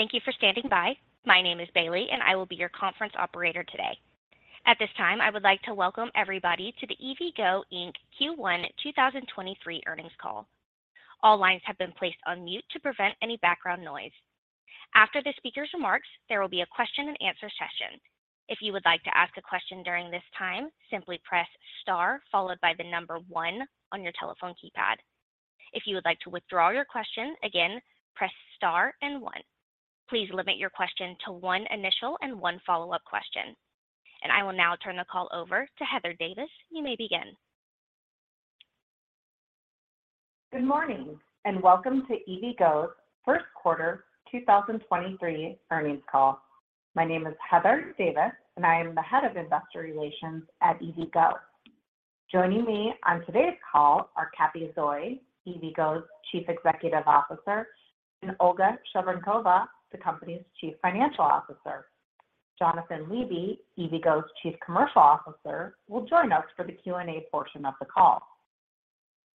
Thank you for standing by. My name is Cathy, I will be your conference operator today. At this time, I would like to welcome everybody to the EVgo Inc. Q1 2023 Earnings Call. All lines have been placed on mute to prevent any background noise. After the speaker's remarks, there will be a question-and-answer session. If you would like to ask a question during this time, simply press star followed by one on your telephone keypad. If you would like to withdraw your question, again, press star and one. Please limit your question to one initial and one follow-up question. I will now turn the call over to Heather Davis. You may begin. Good morning, and welcome to EVgo's First Quarter 2023 Earnings Call. My name is Heather Davis, and I am the Head of Investor Relations at EVgo. Joining me on today's call are Cathy Zoi, EVgo's Chief Executive Officer, and Olga Shevorenkova, the company's Chief Financial Officer. Jonathan Levy, EVgo's Chief Commercial Officer, will join us for the Q&A portion of the call.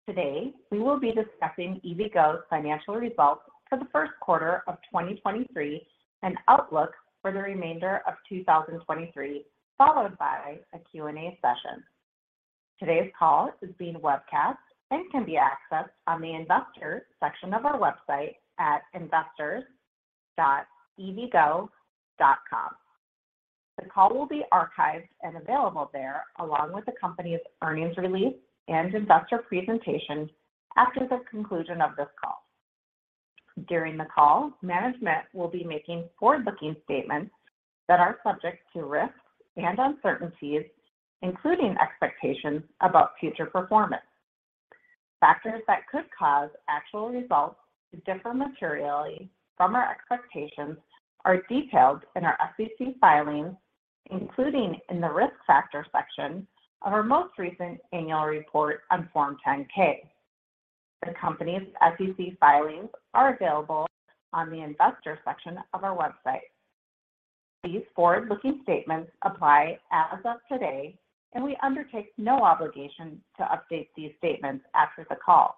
Today, we will be discussing EVgo's financial results for the first quarter of 2023 and outlook for the remainder of 2023, followed by a Q&A session. Today's call is being webcast and can be accessed on the investor section of our website at investors.evgo.com. The call will be archived and available there along with the company's earnings release and investor presentation after the conclusion of this call. During the call, management will be making forward-looking statements that are subject to risks and uncertainties, including expectations about future performance. Factors that could cause actual results to differ materially from our expectations are detailed in our SEC filings, including in the Risk Factors section of our most recent annual report on Form 10-K. The company's SEC filings are available on the investor section of our website. These forward-looking statements apply as of today, and we undertake no obligation to update these statements after the call.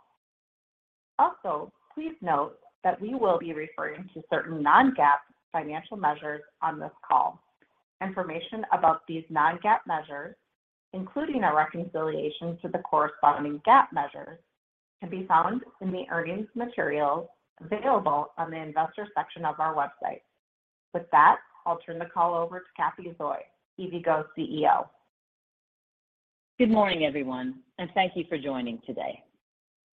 Also, please note that we will be referring to certain non-GAAP financial measures on this call. Information about these non-GAAP measures, including a reconciliation to the corresponding GAAP measures, can be found in the earnings materials available on the investor section of our website. With that, I'll turn the call over to Cathy Zoi, EVgo's CEO. Good morning, everyone, and thank you for joining today.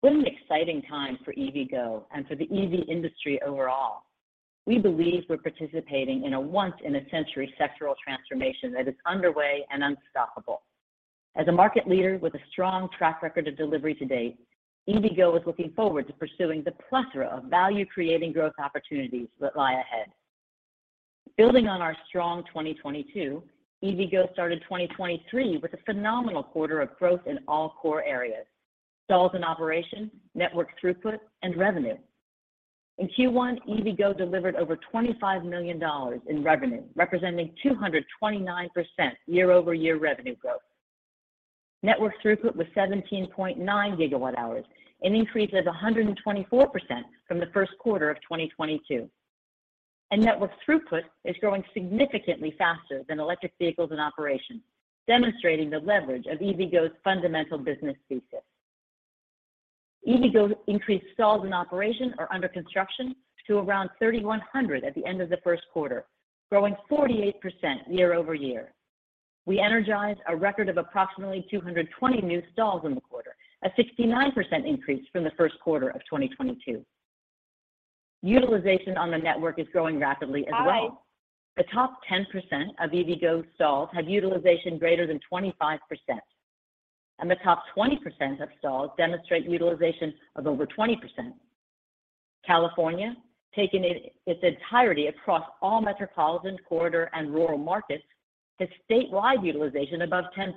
What an exciting time for EVgo and for the EV industry overall. We believe we're participating in a once-in-a-century sectoral transformation that is underway and unstoppable. As a market leader with a strong track record of delivery to date, EVgo is looking forward to pursuing the plethora of value-creating growth opportunities that lie ahead. Building on our strong 2022, EVgo started 2023 with a phenomenal quarter of growth in all core areas: stalls in operation, network throughput, and revenue. In Q1, EVgo delivered over $25 million in revenue, representing 229% year-over-year revenue growth. Network throughput was 17.9 gigawatt hours, an increase of 124% from the first quarter of 2022. Network throughput is growing significantly faster than electric vehicles in operation, demonstrating the leverage of EVgo's fundamental business thesis. EVgo's increased stalls in operation or under construction to around 3,100 at the end of the first quarter, growing 48% year-over-year. We energized a record of approximately 220 new stalls in the quarter, a 69% increase from the first quarter of 2022. Utilization on the network is growing rapidly as well. The top 10% of EVgo stalls have utilization greater than 25%, and the top 20% of stalls demonstrate utilization of over 20%. California, taken in its entirety across all metropolitan corridor and rural markets, has statewide utilization above 10%.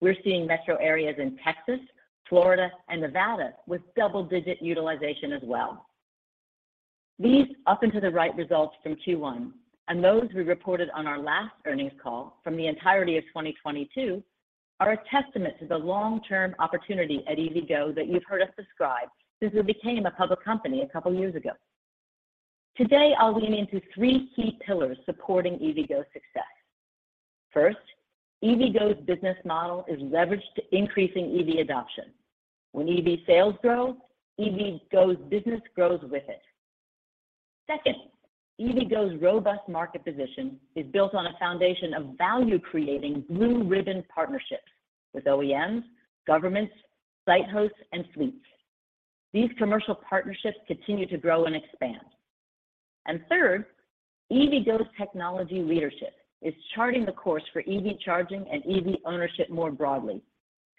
We're seeing metro areas in Texas, Florida, and Nevada with double-digit utilization as well. These up-and-to-the-right results from Q1, and those we reported on our last earnings call from the entirety of 2022, are a testament to the long-term opportunity at EVgo that you've heard us describe since we became a public company a couple of years ago. Today, I'll lean into three key pillars supporting EVgo's success. First, EVgo's business model is leveraged to increasing EV adoption. When EV sales grow, EVgo's business grows with it. Second, EVgo's robust market position is built on a foundation of value-creating blue-ribbon partnerships with OEMs, governments, site hosts, and fleets. These commercial partnerships continue to grow and expand. Third, EVgo's technology leadership is charting the course for EV charging and EV ownership more broadly,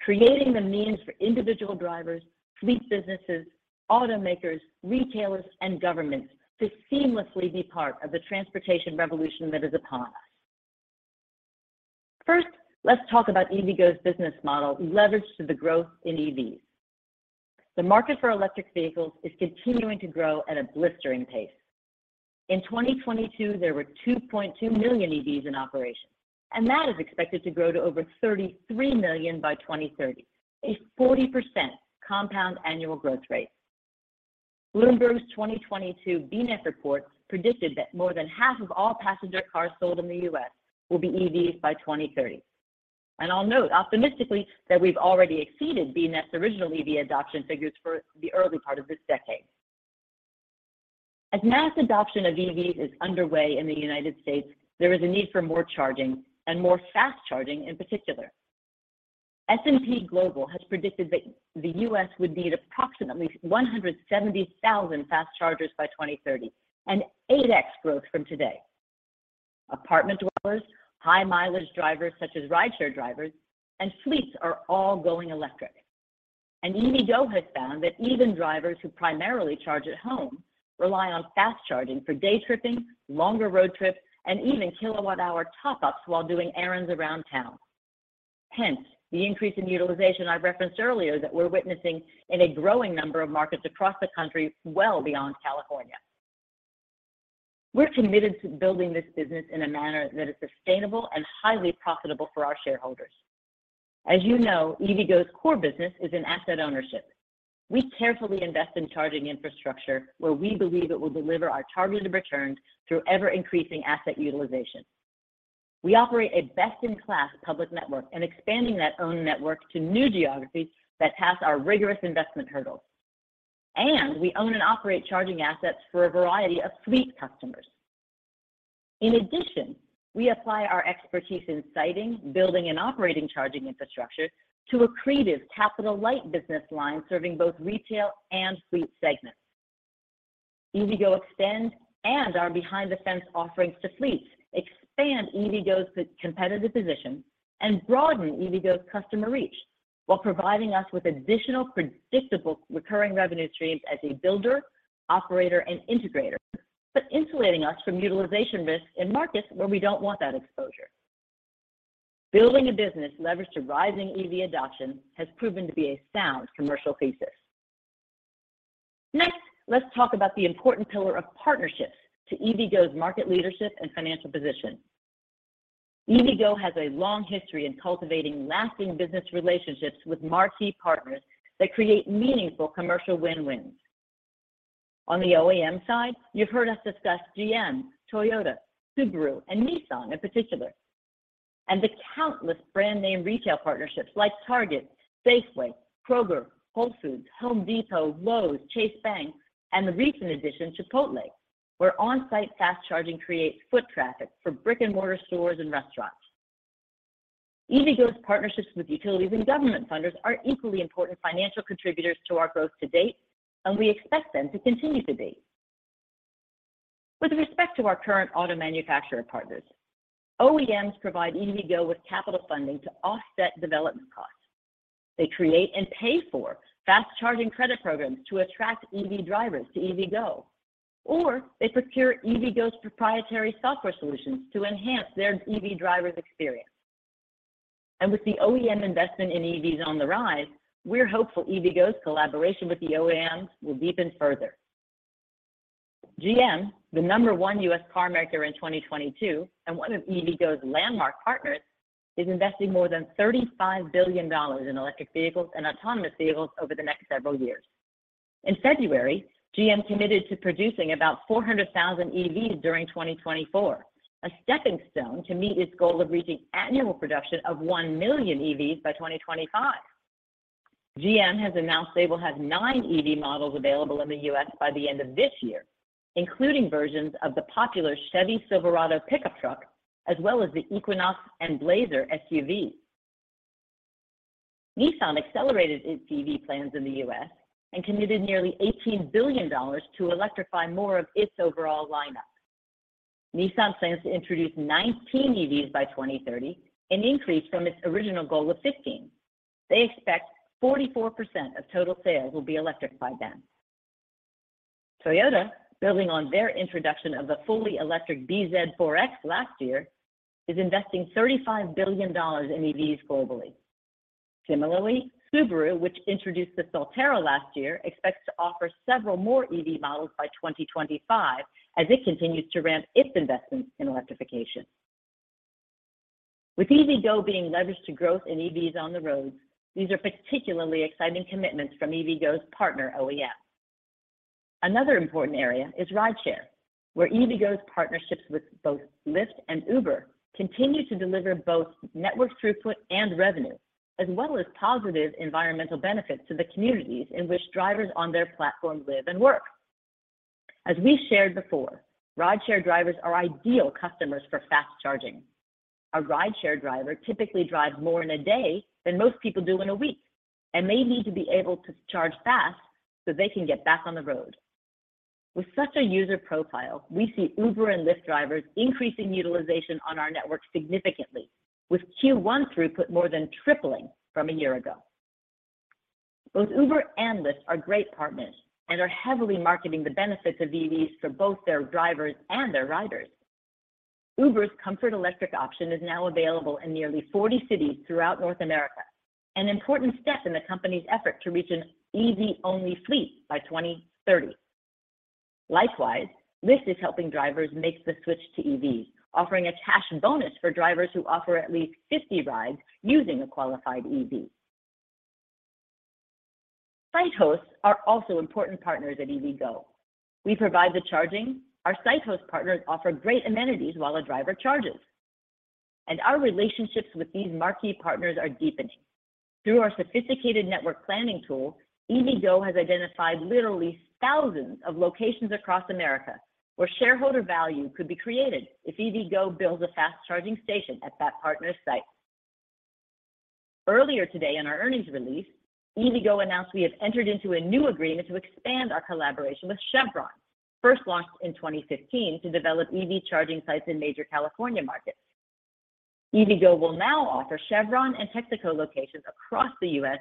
creating the means for individual drivers, fleet businesses, automakers, retailers, and governments to seamlessly be part of the transportation revolution that is upon us. Let's talk about EVgo's business model leveraged to the growth in EVs. The market for electric vehicles is continuing to grow at a blistering pace. In 2022, there were 2.2 million EVs in operation. That is expected to grow to over 33 million by 2030, a 40% compound annual growth rate. Bloomberg's 2022 BNEF report predicted that more than half of all passenger cars sold in the U.S. will be EVs by 2030. I'll note optimistically that we've already exceeded BNEF's original EV adoption figures for the early part of this decade. As mass adoption of EVs is underway in the United States, there is a need for more charging and more fast charging in particular. S&P Global has predicted that the U.S. would need approximately 170,000 fast chargers by 2030, an 8x growth from today. Apartment dwellers, high mileage drivers such as rideshare drivers, and fleets are all going electric. EVgo has found that even drivers who primarily charge at home rely on fast charging for day tripping, longer road trips, and even kilowatt-hour top-ups while doing errands around town. Hence, the increase in utilization I referenced earlier that we're witnessing in a growing number of markets across the country well beyond California. We're committed to building this business in a manner that is sustainable and highly profitable for our shareholders. As you know, EVgo's core business is in asset ownership. We carefully invest in charging infrastructure where we believe it will deliver our targeted returns through ever-increasing asset utilization. We operate a best-in-class public network and expanding that own network to new geographies that pass our rigorous investment hurdles. We own and operate charging assets for a variety of fleet customers. In addition, we apply our expertise in siting, building, and operating charging infrastructure to accretive capital-light business lines serving both retail and fleet segments. EVgo eXtend and our behind-the-fence offerings to fleets expand EVgo's competitive position and broaden EVgo's customer reach while providing us with additional predictable recurring revenue streams as a builder, operator, and integrator, but insulating us from utilization risks in markets where we don't want that exposure. Building a business leveraged to rising EV adoption has proven to be a sound commercial thesis. Next, let's talk about the important pillar of partnerships to EVgo's market leadership and financial position. EVgo has a long history in cultivating lasting business relationships with marquee partners that create meaningful commercial win-wins. On the OEM side, you've heard us discuss GM, Toyota, Subaru, and Nissan in particular, and the countless brand name retail partnerships like Target, Safeway, Kroger, Whole Foods, Home Depot, Lowe's, Chase Bank, and the recent addition Chipotle, where on-site fast charging creates foot traffic for brick-and-mortar stores and restaurants. EVgo's partnerships with utilities and government funders are equally important financial contributors to our growth to date, and we expect them to continue to be. With respect to our current auto manufacturer partners, OEMs provide EVgo with capital funding to offset development costs. They create and pay for fast charging credit programs to attract EV drivers to EVgo, or they procure EVgo's proprietary software solutions to enhance their EV drivers' experience. With the OEM investment in EVs on the rise, we're hopeful EVgo's collaboration with the OEMs will deepen further. GM, the number one U.S. carmaker in 2022 and one of EVgo's landmark partners, is investing more than $35 billion in electric vehicles and autonomous vehicles over the next several years. In February, GM committed to producing about 400,000 EVs during 2024, a stepping stone to meet its goal of reaching annual production of 1 million EVs by 2025. GM has announced they will have nine EV models available in the U.S. by the end of this year, including versions of the popular Chevy Silverado pickup truck as well as the Equinox and Blazer SUV. Nissan accelerated its EV plans in the U.S. and committed nearly $18 billion to electrify more of its overall lineup. Nissan plans to introduce 19 EVs by 2030, an increase from its original goal of 15. They expect 44% of total sales will be electric by then. Toyota, building on their introduction of the fully electric bZ4X last year, is investing $35 billion in EVs globally. Similarly, Subaru, which introduced the Solterra last year, expects to offer several more EV models by 2025 as it continues to ramp its investments in electrification. With EVgo being leveraged to growth in EVs on the roads, these are particularly exciting commitments from EVgo's partner OEMs. Another important area is rideshare, where EVgo's partnerships with both Lyft and Uber continue to deliver both network throughput and revenue, as well as positive environmental benefits to the communities in which drivers on their platform live and work. As we shared before, rideshare drivers are ideal customers for fast charging. A rideshare driver typically drives more in a day than most people do in a week, and they need to be able to charge fast so they can get back on the road. With such a user profile, we see Uber and Lyft drivers increasing utilization on our network significantly, with Q1 throughput more than tripling from a year ago. Both Uber and Lyft are great partners and are heavily marketing the benefits of EVs for both their drivers and their riders. Uber's Comfort Electric option is now available in nearly 40 cities throughout North America, an important step in the company's effort to reach an EV-only fleet by 2030. Likewise, Lyft is helping drivers make the switch to EVs, offering a cash bonus for drivers who offer at least 50 rides using a qualified EV. Site hosts are also important partners at EVgo. We provide the charging. Our site host partners offer great amenities while a driver charges. Our relationships with these marquee partners are deepening. Through our sophisticated network planning tool, EVgo has identified literally thousands of locations across America where shareholder value could be created if EVgo builds a fast charging station at that partner site. Earlier today in our earnings release, EVgo announced we have entered into a new agreement to expand our collaboration with Chevron, first launched in 2015 to develop EV charging sites in major California markets. EVgo will now offer Chevron and Texaco locations across the US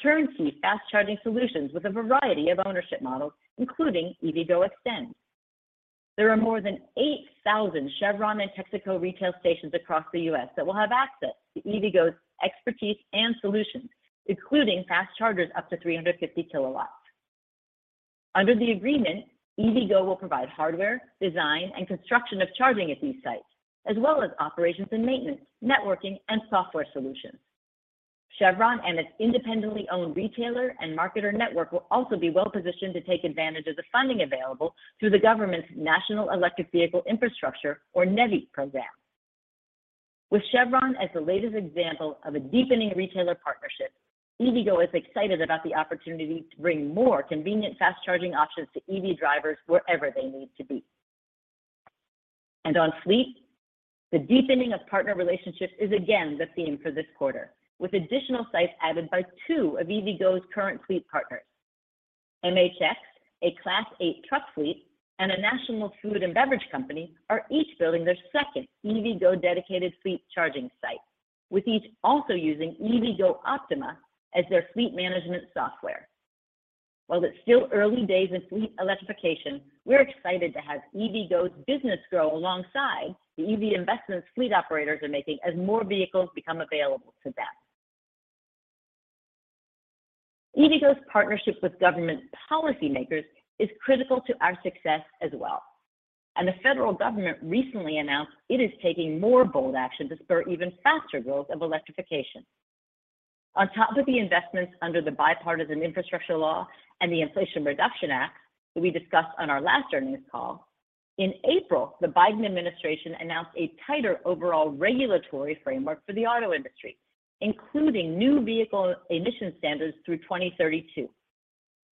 turnkey fast charging solutions with a variety of ownership models, including EVgo eXtend. There are more than 8,000 Chevron and Texaco retail stations across the U.S. that will have access to EVgo's expertise and solutions, including fast chargers up to 350 kilowatts. Under the agreement, EVgo will provide hardware, design, and construction of charging at these sites, as well as operations and maintenance, networking, and software solutions. Chevron and its independently owned retailer and marketer network will also be well-positioned to take advantage of the funding available through the government's National Electric Vehicle Infrastructure, or NEVI program. With Chevron as the latest example of a deepening retailer partnership, EVgo is excited about the opportunity to bring more convenient fast charging options to EV drivers wherever they need to be. On fleet, the deepening of partner relationships is again the theme for this quarter, with additional sites added by two of EVgo's current fleet partners. MHX, a Class 8 truck fleet, and a national food and beverage company are each building their second EVgo-dedicated fleet charging site, with each also using EVgo Optima as their fleet management software. While it's still early days in fleet electrification, we're excited to have EVgo's business grow alongside the EV investments fleet operators are making as more vehicles become available to them. EVgo's partnership with government policymakers is critical to our success as well. The federal government recently announced it is taking more bold action to spur even faster growth of electrification. On top of the investments under the Bipartisan Infrastructure Law and the Inflation Reduction Act that we discussed on our last earnings call, in April, the Biden administration announced a tighter overall regulatory framework for the auto industry, including new vehicle emission standards through 2032.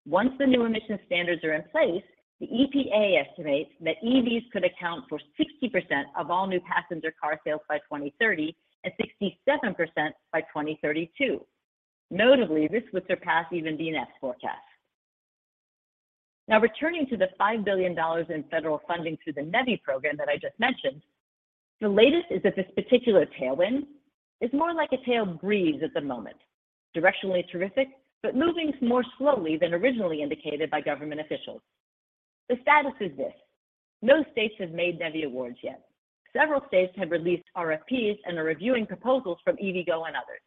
Once the new emission standards are in place, the EPA estimates that EVs could account for 60% of all new passenger car sales by 2030 and 67% by 2032. Notably, this would surpass even DNV forecast. Returning to the $5 billion in federal funding through the NEVI program that I just mentioned, the latest is that this particular tailwind is more like a tail breeze at the moment. Directionally terrific, moving more slowly than originally indicated by government officials. The status is this: No states have made NEVI awards yet. Several states have released RFPs and are reviewing proposals from EVgo and others,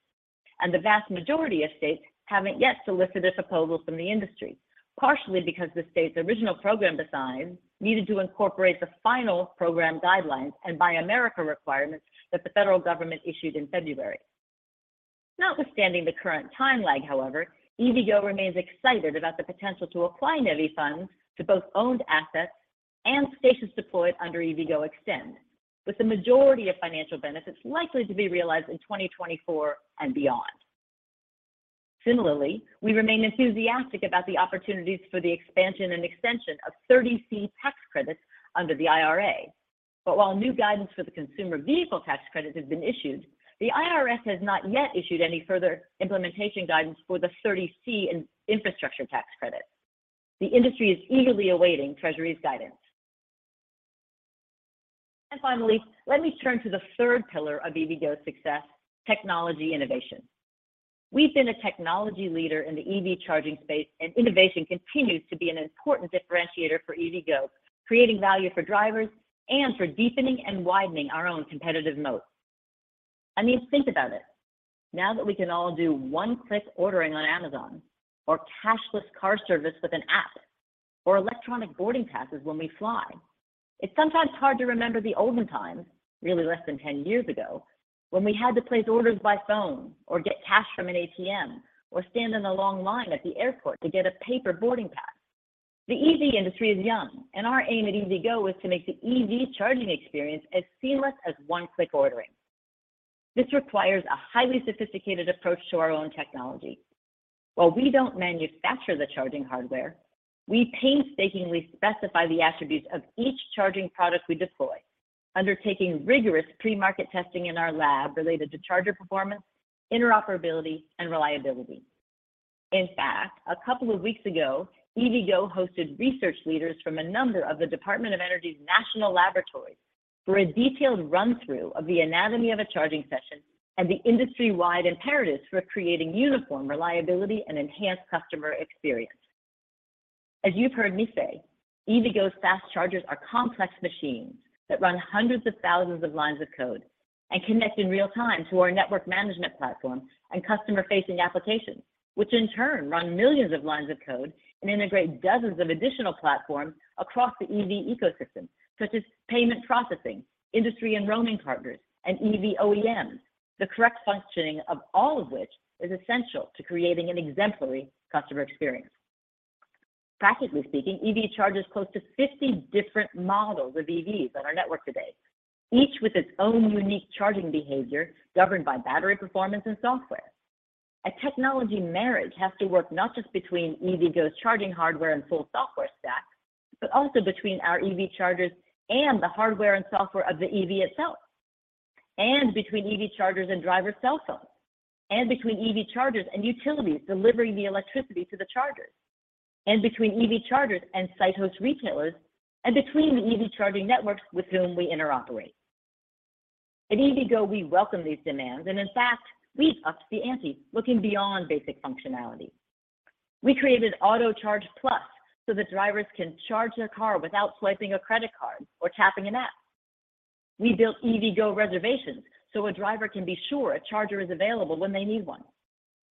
and the vast majority of states haven't yet solicited proposals from the industry, partially because the state's original program design needed to incorporate the final program guidelines and Buy America requirements that the federal government issued in February. Notwithstanding the current time lag, however, EVgo remains excited about the potential to apply NEVI funds to both owned assets and stations deployed under EVgo eXtend, with the majority of financial benefits likely to be realized in 2024 and beyond. We remain enthusiastic about the opportunities for the expansion and extension of 30C tax credits under the IRA. While new guidance for the consumer vehicle tax credit has been issued, the IRS has not yet issued any further implementation guidance for the 30C infrastructure tax credit. The industry is eagerly awaiting Treasury's guidance. Finally, let me turn to the third pillar of EVgo's success: technology innovation. We've been a technology leader in the EV charging space, and innovation continues to be an important differentiator for EVgo, creating value for drivers and for deepening and widening our own competitive moat. I mean, think about it. Now that we can all do one-click ordering on Amazon or cashless car service with an app or electronic boarding passes when we fly, it's sometimes hard to remember the olden times, really less than 10 years ago, when we had to place orders by phone or get cash from an ATM or stand in a long line at the airport to get a paper boarding pass. The EV industry is young, and our aim at EVgo is to make the EV charging experience as seamless as one-click ordering. This requires a highly sophisticated approach to our own technology. While we don't manufacture the charging hardware, we painstakingly specify the attributes of each charging product we deploy, undertaking rigorous pre-market testing in our lab related to charger performance, interoperability, and reliability. In fact, a couple of weeks ago, EVgo hosted research leaders from a number of the Department of Energy's National Laboratories for a detailed run-through of the anatomy of a charging session and the industry-wide imperatives for creating uniform reliability and enhanced customer experience. As you've heard me say, EVgo's fast chargers are complex machines that run hundreds of thousands of lines of code. connect in real time to our network management platform and customer-facing applications, which in turn run millions of lines of code and integrate dozens of additional platforms across the EV ecosystem, such as payment processing, industry and roaming partners, and EV OEMs. The correct functioning of all of which is essential to creating an exemplary customer experience. Practically speaking, EV charges close to 50 different models of EVs on our network today, each with its own unique charging behavior governed by battery performance and software. A technology marriage has to work not just between EVgo's charging hardware and full software stack, but also between our EV chargers and the hardware and software of the EV itself, and between EV chargers and driver's cell phones, and between EV chargers and utilities delivering the electricity to the chargers, and between EV chargers and site host retailers, and between the EV charging networks with whom we interoperate. At EVgo, we welcome these demands, and in fact, we've upped the ante looking beyond basic functionality. We created Autocharge+, so that drivers can charge their car without swiping a credit card or tapping an app. We built EVgo Reservations, so a driver can be sure a charger is available when they need one.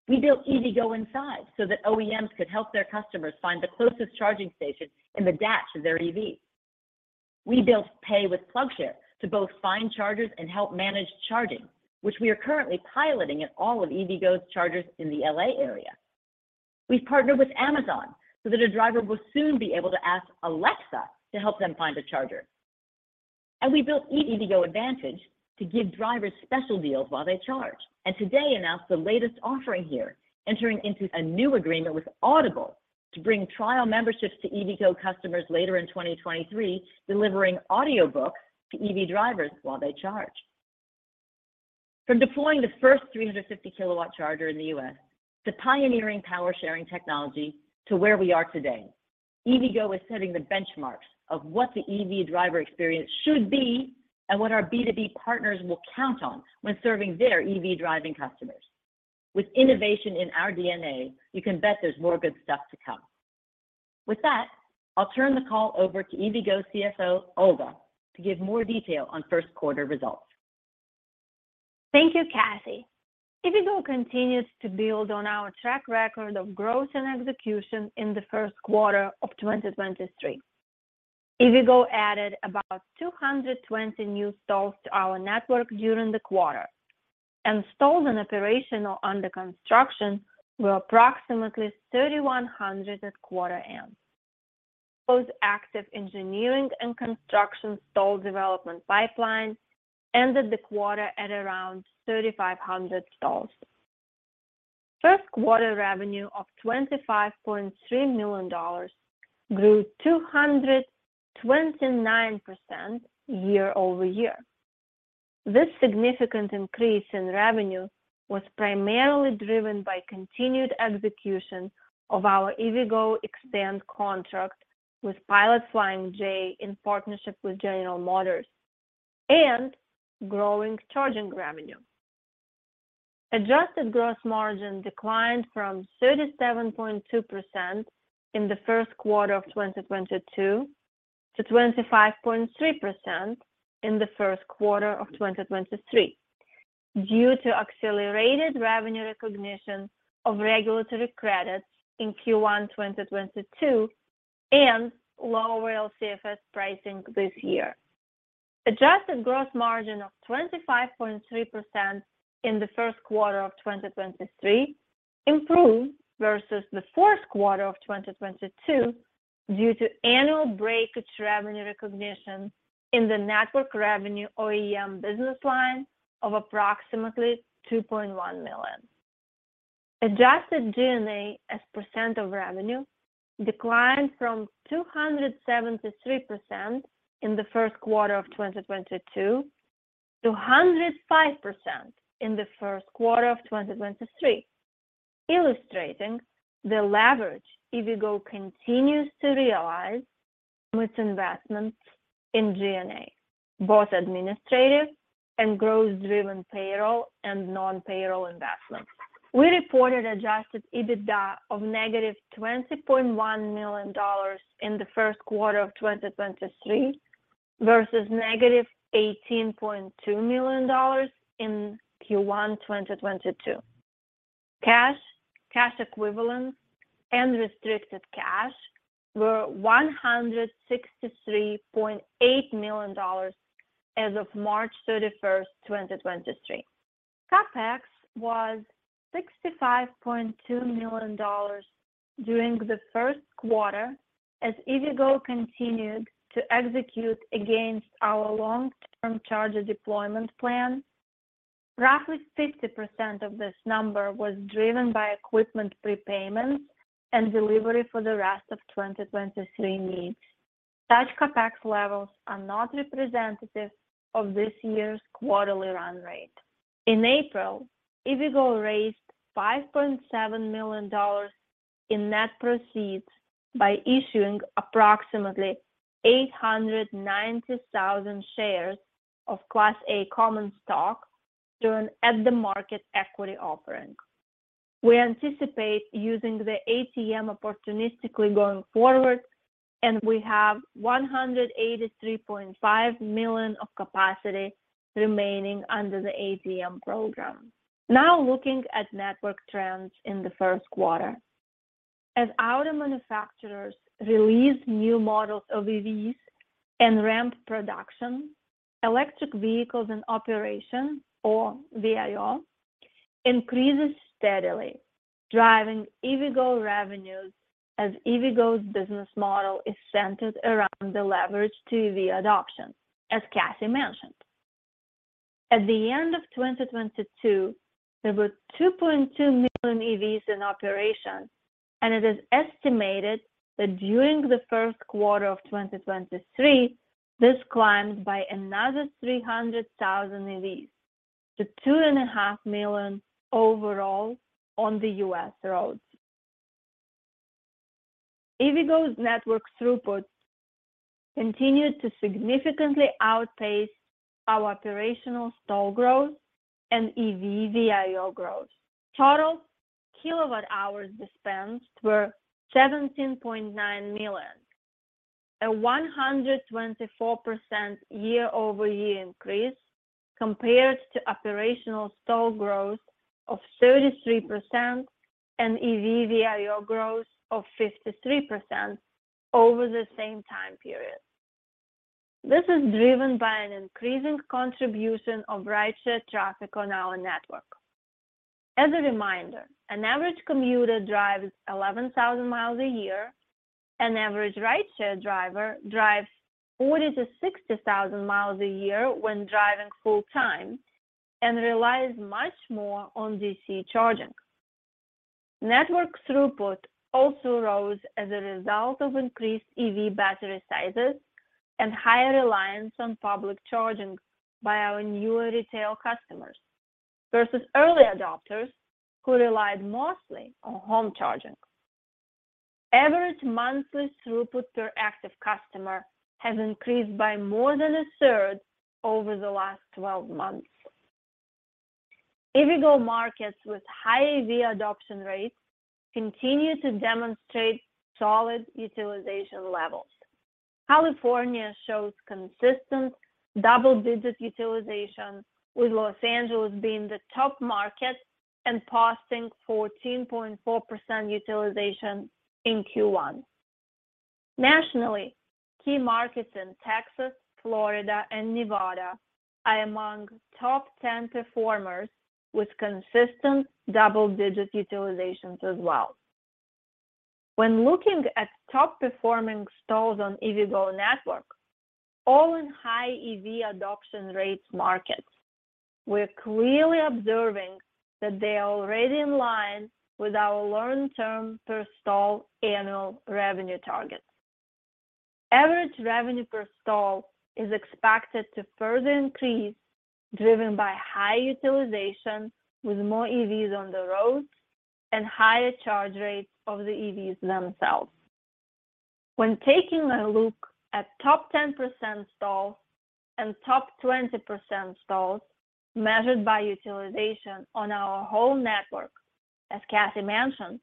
We built EVgo Inside so that OEMs could help their customers find the closest charging station in the dash of their EV. We built Pay with PlugShare to both find chargers and help manage charging, which we are currently piloting at all of EVgo's chargers in the L.A. area. We've partnered with Amazon so that a driver will soon be able to ask Alexa to help them find a charger. We built EVgo Advantage to give drivers special deals while they charge, and today announced the latest offering here, entering into a new agreement with Audible to bring trial memberships to EVgo customers later in 2023, delivering audiobooks to EV drivers while they charge. From deploying the first 350 kW charger in the U.S. to pioneering power sharing technology to where we are today, EVgo is setting the benchmarks of what the EV driver experience should be and what our B2B partners will count on when serving their EV driving customers. With innovation in our DNA, you can bet there's more good stuff to come. With that, I'll turn the call over to EVgo CFO, Olga, to give more detail on first quarter results. Thank you, Cathy. EVgo continues to build on our track record of growth and execution in the first quarter of 2023. EVgo added about 220 new stalls to our network during the quarter, and stalls in operational under construction were approximately 3,100 at quarter end. Both active engineering and construction stall development pipelines ended the quarter at around 3,500 stalls. First quarter revenue of $25.3 million grew 229% year-over-year. This significant increase in revenue was primarily driven by continued execution of our EVgo eXtend contract with Pilot Flying J in partnership with General Motors and growing charging revenue. Adjusted gross margin declined from 37.2% in the first quarter of 2022 to 25.3% in the first quarter of 2023 due to accelerated revenue recognition of regulatory credits in Q1 2022 and lower LCFS pricing this year. Adjusted gross margin of 25.3% in the first quarter of 2023 improved versus the fourth quarter of 2022 due to annual breakage revenue recognition in the network revenue OEM business line of approximately $2.1 million. Adjusted GNA as % of revenue declined from 273% in the first quarter of 2022 to 105% in the first quarter of 2023, illustrating the leverage EVgo continues to realize with investments in GNA, both administrative and growth driven payroll and non-payroll investments. We reported adjusted EBITDA of negative $20.1 million in the first quarter of 2023 versus negative $18.2 million in Q1 2022. Cash, cash equivalents, and restricted cash were $163.8 million as of March 31st, 2023. CapEx was $65.2 million during the first quarter as EVgo continued to execute against our long term charger deployment plan. Roughly 50% of this number was driven by equipment prepayments and delivery for the rest of 2023 needs. Such CapEx levels are not representative of this year's quarterly run rate. In April, EVgo raised $5.7 million in net proceeds by issuing approximately 890,000 shares of Class A common stock during at the market equity offering. We anticipate using the ATM opportunistically going forward. We have $183.5 million of capacity remaining under the ATM program. Looking at network trends in the first quarter. As auto manufacturers release new models of EVs and ramp production, electric vehicles in operation, or VIO, increases steadily, driving EVgo revenues as EVgo's business model is centered around the leverage to EV adoption, as Cathy mentioned. At the end of 2022, there were 2.2 million EVs in operation. It is estimated that during the first quarter of 2023, this climbed by another 300,000 EVs to 2.5 million overall on the U.S. roads. EVgo's network throughput continued to significantly outpace our operational stall growth and EV VIO growth. Total kilowatt hours dispensed were 17.9 million, a 124% year-over-year increase compared to operational stall growth of 33% and EV VIO growth of 53% over the same time period. This is driven by an increasing contribution of rideshare traffic on our network. As a reminder, an average commuter drives 11,000 miles a year. An average rideshare driver drives 40,000-60,000 miles a year when driving full time and relies much more on DC charging. Network throughput also rose as a result of increased EV battery sizes and higher reliance on public charging by our newer retail customers versus early adopters who relied mostly on home charging. Average monthly throughput per active customer has increased by more than a third over the last 12 months. EVgo markets with high EV adoption rates continue to demonstrate solid utilization levels. California shows consistent double-digit utilization, with Los Angeles being the top market and posting 14.4% utilization in Q1. Nationally, key markets in Texas, Florida, and Nevada are among top 10 performers with consistent double-digit utilizations as well. When looking at top performing stalls on EVgo network, all in high EV adoption rates markets, we're clearly observing that they are already in line with our long-term per stall annual revenue targets. Average revenue per stall is expected to further increase, driven by high utilization with more EVs on the road and higher charge rates of the EVs themselves. When taking a look at top 10% stalls and top 20% stalls measured by utilization on our whole network, as Cathy mentioned,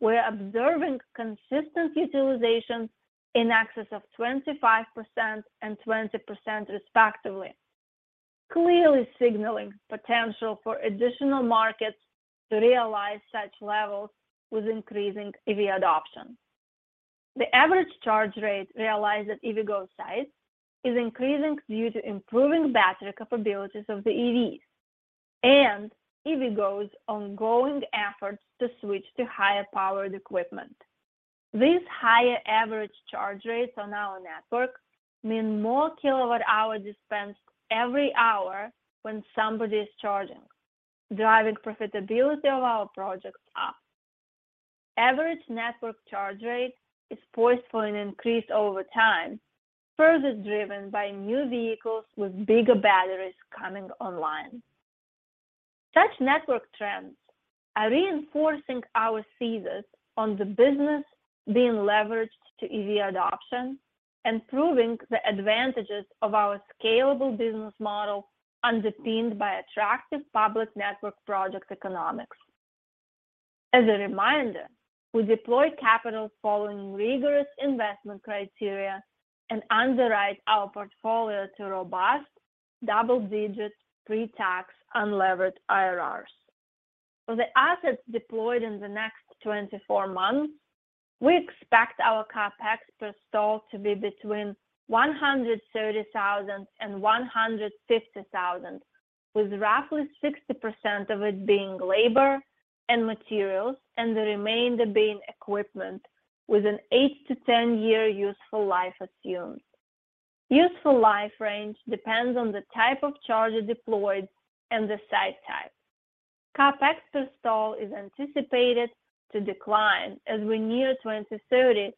we're observing consistent utilization in excess of 25% and 20% respectively, clearly signaling potential for additional markets to realize such levels with increasing EV adoption. The average charge rate realized at EVgo sites is increasing due to improving battery capabilities of the EVs and EVgo's ongoing efforts to switch to higher-powered equipment. These higher average charge rates on our network mean more kilowatt hours dispensed every hour when somebody is charging, driving profitability of our projects up. Average network charge rate is poised for an increase over time, further driven by new vehicles with bigger batteries coming online. Such network trends are reinforcing our thesis on the business being leveraged to EV adoption and proving the advantages of our scalable business model underpinned by attractive public network project economics. As a reminder, we deploy capital following rigorous investment criteria and underwrite our portfolio to robust double-digit pre-tax unlevered IRRs. For the assets deployed in the next 24 months, we expect our CapEx per stall to be between $130,000 and $150,000, with roughly 60% of it being labor and materials and the remainder being equipment with an eight-to-10-year useful life assumed. Useful life range depends on the type of charger deployed and the site type. CapEx per stall is anticipated to decline as we near 2030,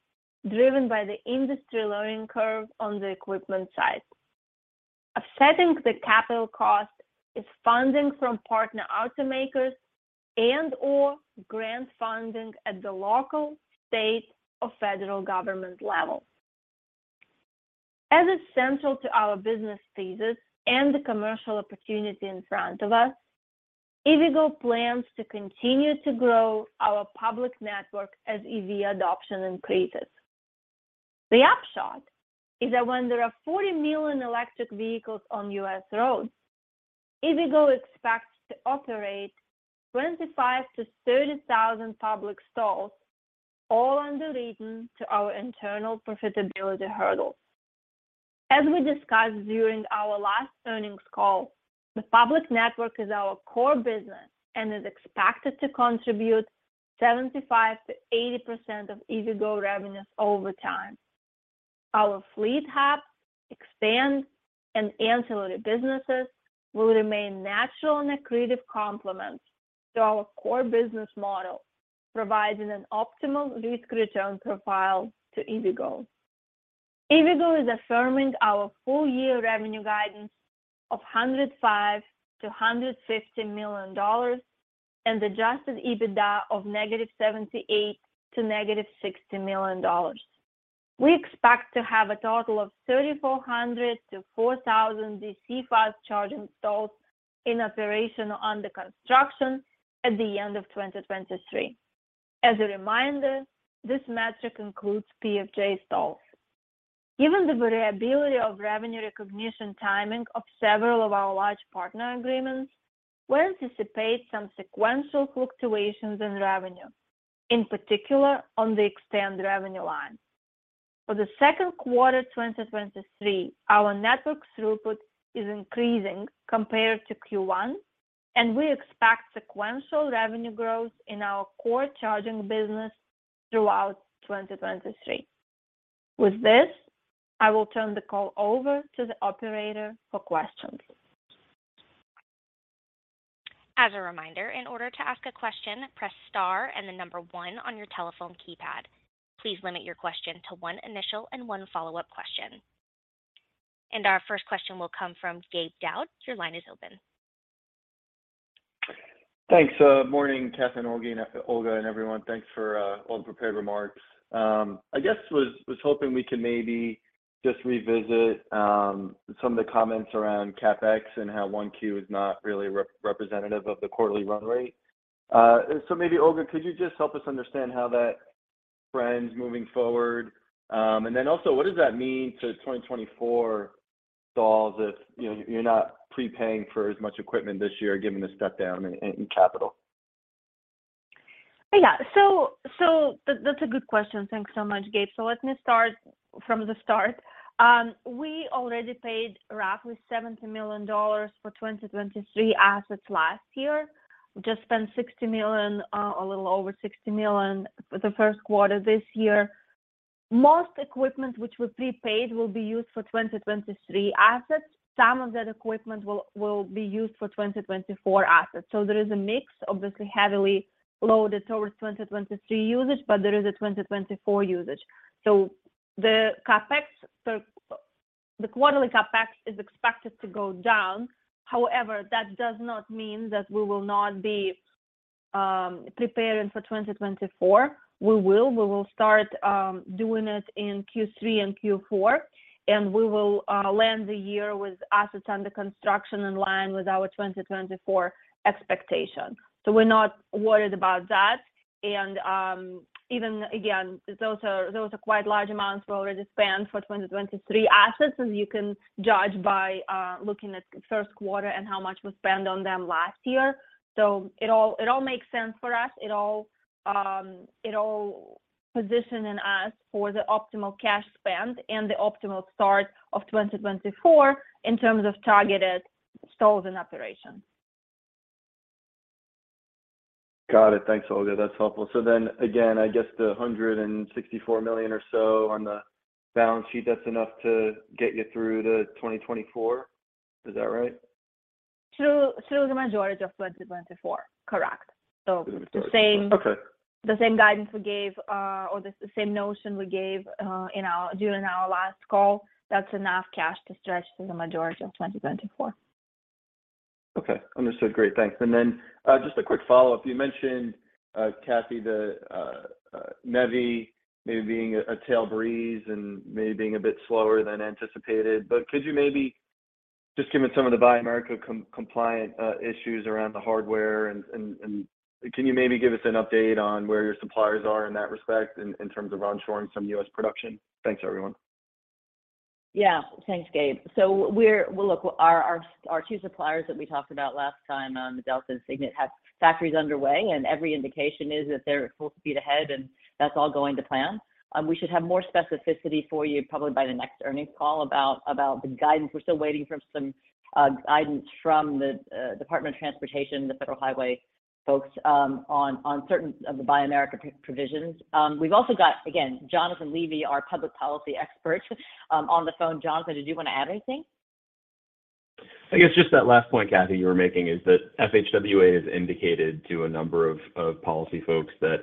driven by the industry learning curve on the equipment side. Offsetting the capital cost is funding from partner automakers and or grant funding at the local, state, or federal government level. As is central to our business thesis and the commercial opportunity in front of us, EVgo plans to continue to grow our public network as EV adoption increases. The upshot is that when there are 40 million electric vehicles on U.S. roads, EVgo expects to operate 25,000-30,000 public stalls, all underwritten to our internal profitability hurdle. As we discussed during our last earnings call, the public network is our core business and is expected to contribute 75%-80% of EVgo revenues over time. Our Fleet Hub, Expand, and ancillary businesses will remain natural and accretive complements to our core business model, providing an optimal risk return profile to EVgo. EVgo is affirming our full year revenue guidance of $105 million-$150 million and adjusted EBITDA of -$78 million to -$60 million. We expect to have a total of 3,400 to 4,000 DC fast charging stalls in operation under construction at the end of 2023. As a reminder, this metric includes PFJ stalls. Given the variability of revenue recognition timing of several of our large partner agreements, we anticipate some sequential fluctuations in revenue, in particular on the extended revenue line. For the second quarter, 2023, our network throughput is increasing compared to Q1, and we expect sequential revenue growth in our core charging business throughout 2023. With this, I will turn the call over to the operator for questions. As a reminder, in order to ask a question, press star and the number one on your telephone keypad. Please limit your question to one initial and one follow-up question. Our first question will come from Gabe Daoud. Your line is open. Thanks. Morning, Cath and Olga, and everyone. Thanks for all the prepared remarks. I guess was hoping we could maybe just revisit some of the comments around CapEx and how 1 Q is not really representative of the quarterly run rate. Maybe Olga, could you just help us understand how that trend's moving forward? Also, what does that mean to 2024 stalls if, you know, you're not prepaying for as much equipment this year given the step down in capital? That's a good question. Thanks so much, Gabe. Let me start from the start. We already paid roughly $70 million for 2023 assets last year. We just spent $60 million, a little over $60 million for the first quarter this year. Most equipment which were prepaid will be used for 2023 assets. Some of that equipment will be used for 2024 assets. There is a mix, obviously heavily loaded towards 2023 usage, but there is a 2024 usage. The CapEx, the quarterly CapEx is expected to go down. However, that does not mean that we will not be preparing for 2024. We will. We will start doing it in Q3 and Q4, and we will land the year with assets under construction in line with our 2024 expectation. We're not worried about that. Even again, those are quite large amounts we already spent for 2023 assets, as you can judge by looking at first quarter and how much was spent on them last year. It all makes sense for us. It all positioning us for the optimal cash spend and the optimal start of 2024 in terms of targeted stalls and operations. Got it. Thanks, Olga. That's helpful. Again, I guess the $164 million or so on the balance sheet, that's enough to get you through to 2024. Is that right? Through the majority of 2024. Correct. Okay. The same guidance we gave, or the same notion we gave during our last call. That's enough cash to stretch through the majority of 2024. Okay. Understood. Great. Thanks. Then, just a quick follow-up. You mentioned, Cathy, the NEVI maybe being a tail breeze and maybe being a bit slower than anticipated. Could you maybe just given some of the Buy America compliant issues around the hardware and can you maybe give us an update on where your suppliers are in that respect in terms of onshoring some U.S. production? Thanks, everyone. Yeah. Thanks, Gabe. Well, our two suppliers that we talked about last time, Delta and Signet, have factories underway, and every indication is that they're full speed ahead, and that's all going to plan. We should have more specificity for you probably by the next earnings call about the guidance. We're still waiting for some guidance from the Department of Transportation, the Federal Highway folks, on certain of the Buy America provisions. We've also got, again, Jonathan Levy, our public policy expert, on the phone. Jonathan, did you want to add anything? I guess just that last point, Cathy, you were making is that FHWA has indicated to a number of policy folks that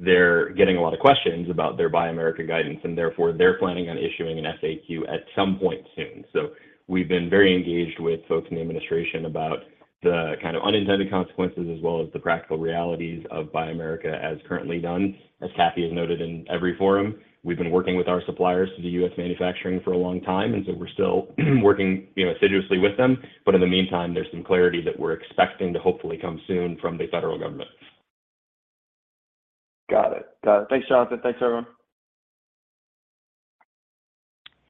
they're getting a lot of questions about their Buy America guidance, and therefore, they're planning on issuing an FAQ at some point soon. We've been very engaged with folks in the administration about the kind of unintended consequences as well as the practical realities of Buy America as currently done. As Cathy has noted in every forum, we've been working with our suppliers to the U.S. manufacturing for a long time, and so we're still working, you know, assiduously with them. In the meantime, there's some clarity that we're expecting to hopefully come soon from the federal government. Got it. Thanks, Jonathan. Thanks, everyone.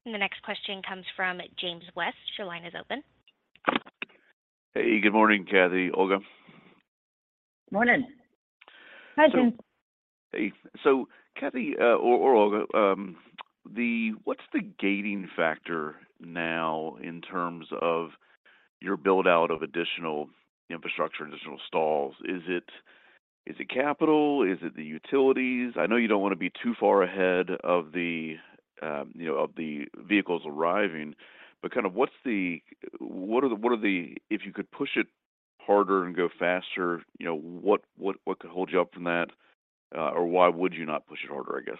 The next question comes from James West. Your line is open. Hey, good morning, Cathy, Olga. Morning. Hi, James. Hey. Cathy, or Olga, what's the gating factor now in terms of your build-out of additional infrastructure, additional stalls? Is it capital? Is it the utilities? I know you don't wanna be too far ahead of the, you know, of the vehicles arriving, kind of what's the... What are the... If you could push it harder and go faster, you know, what could hold you up from that? Or why would you not push it harder, I guess?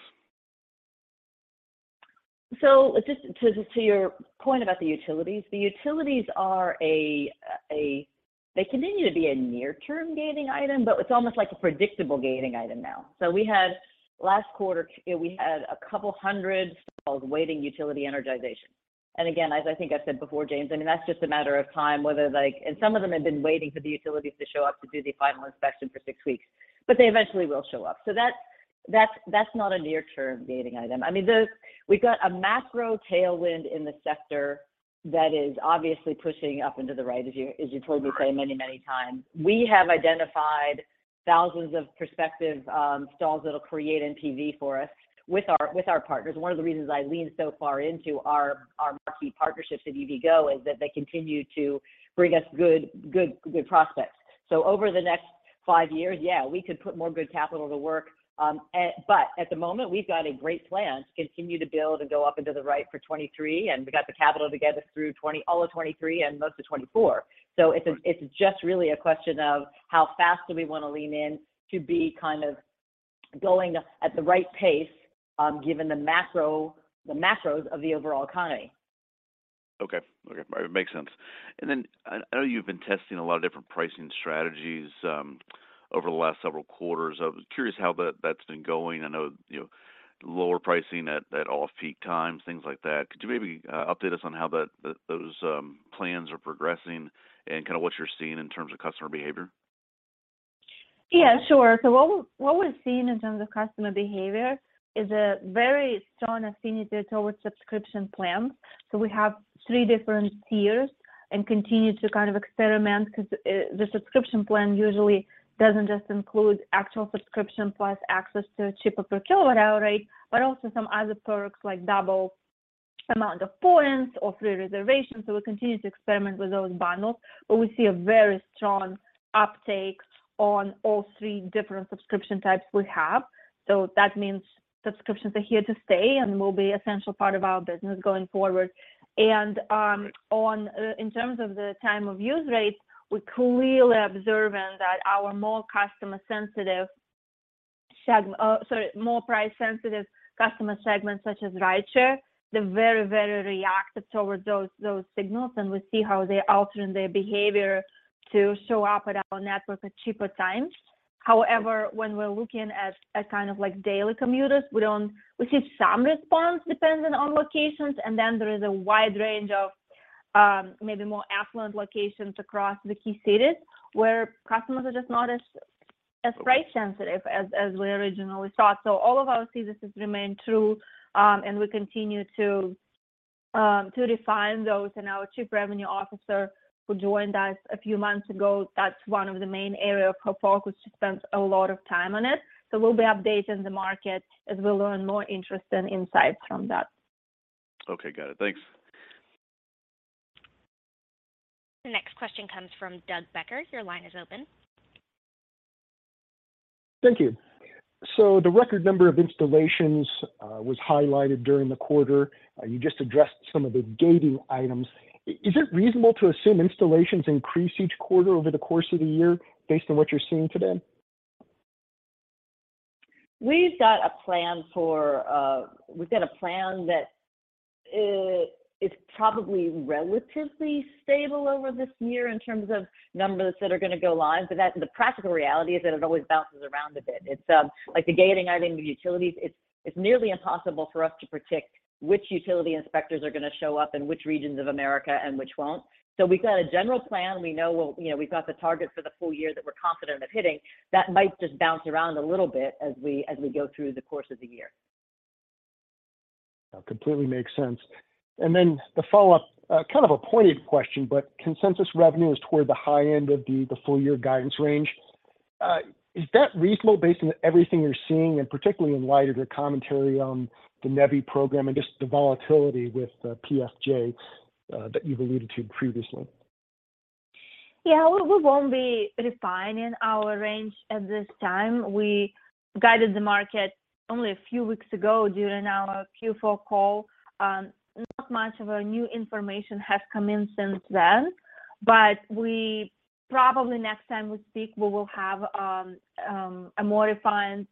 Just to your point about the utilities, the utilities are a... They continue to be a near-term gating item, but it's almost like a predictable gating item now. Last quarter, we had a couple hundred stalls waiting utility energization. Again, as I think I've said before, James, I mean, that's just a matter of time, whether like... Some of them have been waiting for the utilities to show up to do the final inspection for six weeks. They eventually will show up. That's not a near-term gating item. I mean, we've got a macro tailwind in the sector that is obviously pushing up into the right, as you, as you've heard me say many, many times. We have identified thousands of prospective stalls that'll create NPV for us with our, with our partners. One of the reasons I lean so far into our marquee partnerships at EVgo is that they continue to bring us good prospects. Over the next five years, yeah, we could put more good capital to work. At the moment, we've got a great plan to continue to build and go up into the right for 2023, and we've got the capital to get us through all of 2023 and most of 2024. It's just really a question of how fast do we wanna lean in to be kind of going at the right pace, given the macros of the overall economy. Okay. Okay. It makes sense. I know you've been testing a lot of different pricing strategies over the last several quarters. I was curious how that's been going. I know, you know, lower pricing at off-peak times, things like that. Could you maybe update us on how that, those plans are progressing and kinda what you're seeing in terms of customer behavior? Yeah, sure. What we're seeing in terms of customer behavior is a very strong affinity towards subscription plans. We have three different tiers and continue to kind of experiment 'cause the subscription plan usually doesn't just include actual subscription plus access to a cheaper per kilowatt hour rate, but also some other perks like double amount of points or free reservations. We continue to experiment with those bundles, but we see a very strong uptake on all three different subscription types we have. That means subscriptions are here to stay and will be an essential part of our business going forward. In terms of the time of use rates, we're clearly observing that our more customer sensitive, sorry, more price sensitive customer segments such as rideshare, they're very reactive towards those signals, and we see how they're altering their behavior to show up at our network at cheaper times. When we're looking at kind of like daily commuters, we don't. We see some response depending on locations, and then there is a wide range of maybe more affluent locations across the key cities where customers are just not as price sensitive as we originally thought. All of our thesis has remained true, and we continue to refine those. Our chief revenue officer who joined us a few months ago, that's one of the main area of her focus. She spends a lot of time on it. We'll be updating the market as we learn more interesting insights from that. Okay. Got it. Thanks. The next question comes from Doug Becker. Your line is open. Thank you. The record number of installations was highlighted during the quarter. You just addressed some of the gating items. Is it reasonable to assume installations increase each quarter over the course of the year based on what you're seeing today? We've got a plan for, we've got a plan that is probably relatively stable over this year in terms of numbers that are gonna go live. The practical reality is that it always bounces around a bit. It's, like the gating item with utilities, it's nearly impossible for us to predict which utility inspectors are gonna show up in which regions of America and which won't. We've got a general plan. You know, we've got the target for the full year that we're confident of hitting. That might just bounce around a little bit as we go through the course of the year. Completely makes sense. The follow-up, kind of a pointed question, consensus revenue is toward the high end of the full year guidance range. Is that reasonable based on everything you're seeing, and particularly in light of your commentary on the NEVI program and just the volatility with PFJ that you've alluded to previously? We won't be refining our range at this time. We guided the market only a few weeks ago during our Q4 call. Not much of a new information has come in since then. We probably next time we speak, we will have a more refined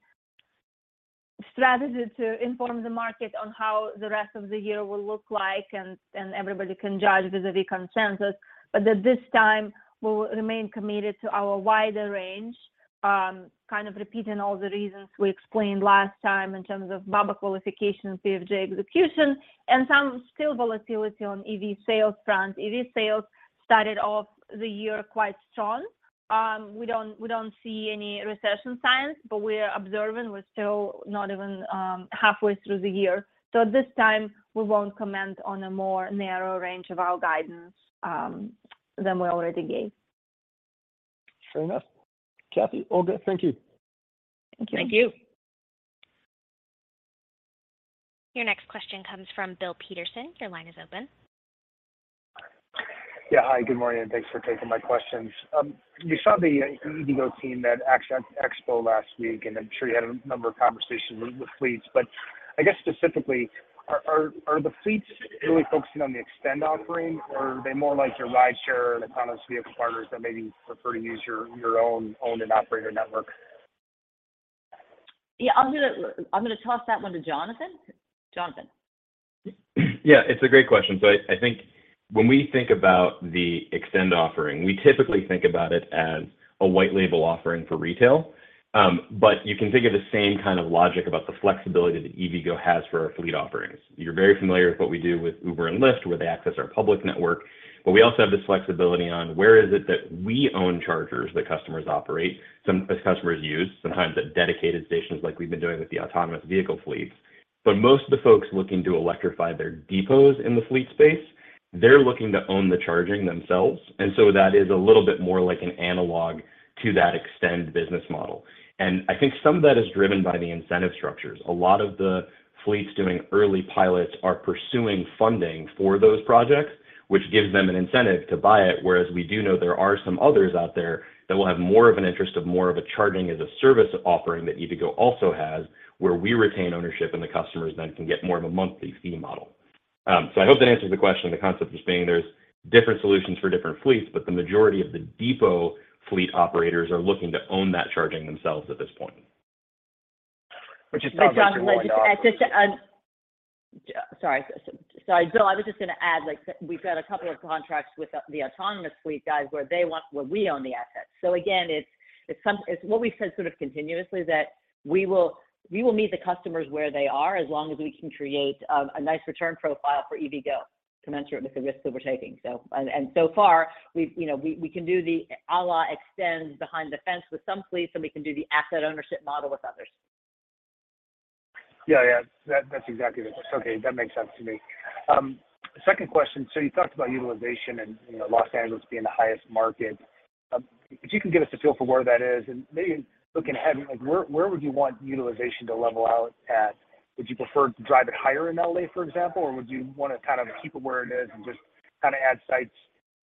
strategy to inform the market on how the rest of the year will look like, and everybody can judge vis-a-vis consensus. At this time, we'll remain committed to our wider range, kind of repeating all the reasons we explained last time in terms of bubble qualification, PFJ execution, and some still volatility on EV sales front. EV sales started off the year quite strong. We don't see any recession signs, but we are observing. We're still not even halfway through the year. At this time, we won't comment on a more narrow range of our guidance than we already gave. Fair enough. Cathy, Olga, thank you. Thank you. Thank you. Your next question comes from Bill Peterson. Your line is open. Yeah. Hi, good morning, and thanks for taking my questions. We saw the EVgo team at ACT Expo last week, and I'm sure you had a number of conversations with fleets. I guess specifically, are the fleets really focusing on the eXtend offering or are they more like your rideshare and autonomous vehicle partners that maybe prefer to use your own owned and operator network? Yeah, I'm gonna I'm gonna toss that one to Jonathan. Jonathan. Yeah, it's a great question. I think when we think about the EVgo eXtend offering, we typically think about it as a white label offering for retail. You can think of the same kind of logic about the flexibility that EVgo has for our fleet offerings. You're very familiar with what we do with Uber and Lyft, where they access our public network, but we also have this flexibility on where is it that we own chargers that customers operate, that customers use, sometimes at dedicated stations like we've been doing with the autonomous vehicle fleets. Most of the folks looking to electrify their depots in the fleet space, they're looking to own the charging themselves. That is a little bit more like an analog to that EVgo eXtend business model. I think some of that is driven by the incentive structures. A lot of the fleets doing early pilots are pursuing funding for those projects, which gives them an incentive to buy it, whereas we do know there are some others out there that will have more of an interest of more of a charging as a service offering that EVgo also has, where we retain ownership and the customers then can get more of a monthly fee model. I hope that answers the question. The concept just being there's different solutions for different fleets, but the majority of the depot fleet operators are looking to own that charging themselves at this point. Which is probably what you're going after. John, just... Sorry, Bill, I was just gonna add, like, we've got a couple of contracts with the autonomous fleet guys where we own the assets. Again, It's what we've said sort of continuously that we will, we will meet the customers where they are as long as we can create a nice return profile for EVgo to mentor it with the risks that we're taking. So far, we've, you know, we can do the a la eXtend behind the fence with some fleets, and we can do the asset ownership model with others. Yeah. Yeah. That, that's exactly what... Okay, that makes sense to me. Second question. You talked about utilization and, you know, Los Angeles being the highest market. If you can give us a feel for where that is, and maybe looking ahead, like where would you want utilization to level out at? Would you prefer to drive it higher in L.A., for example, or would you wanna kind of keep it where it is and just kinda add sites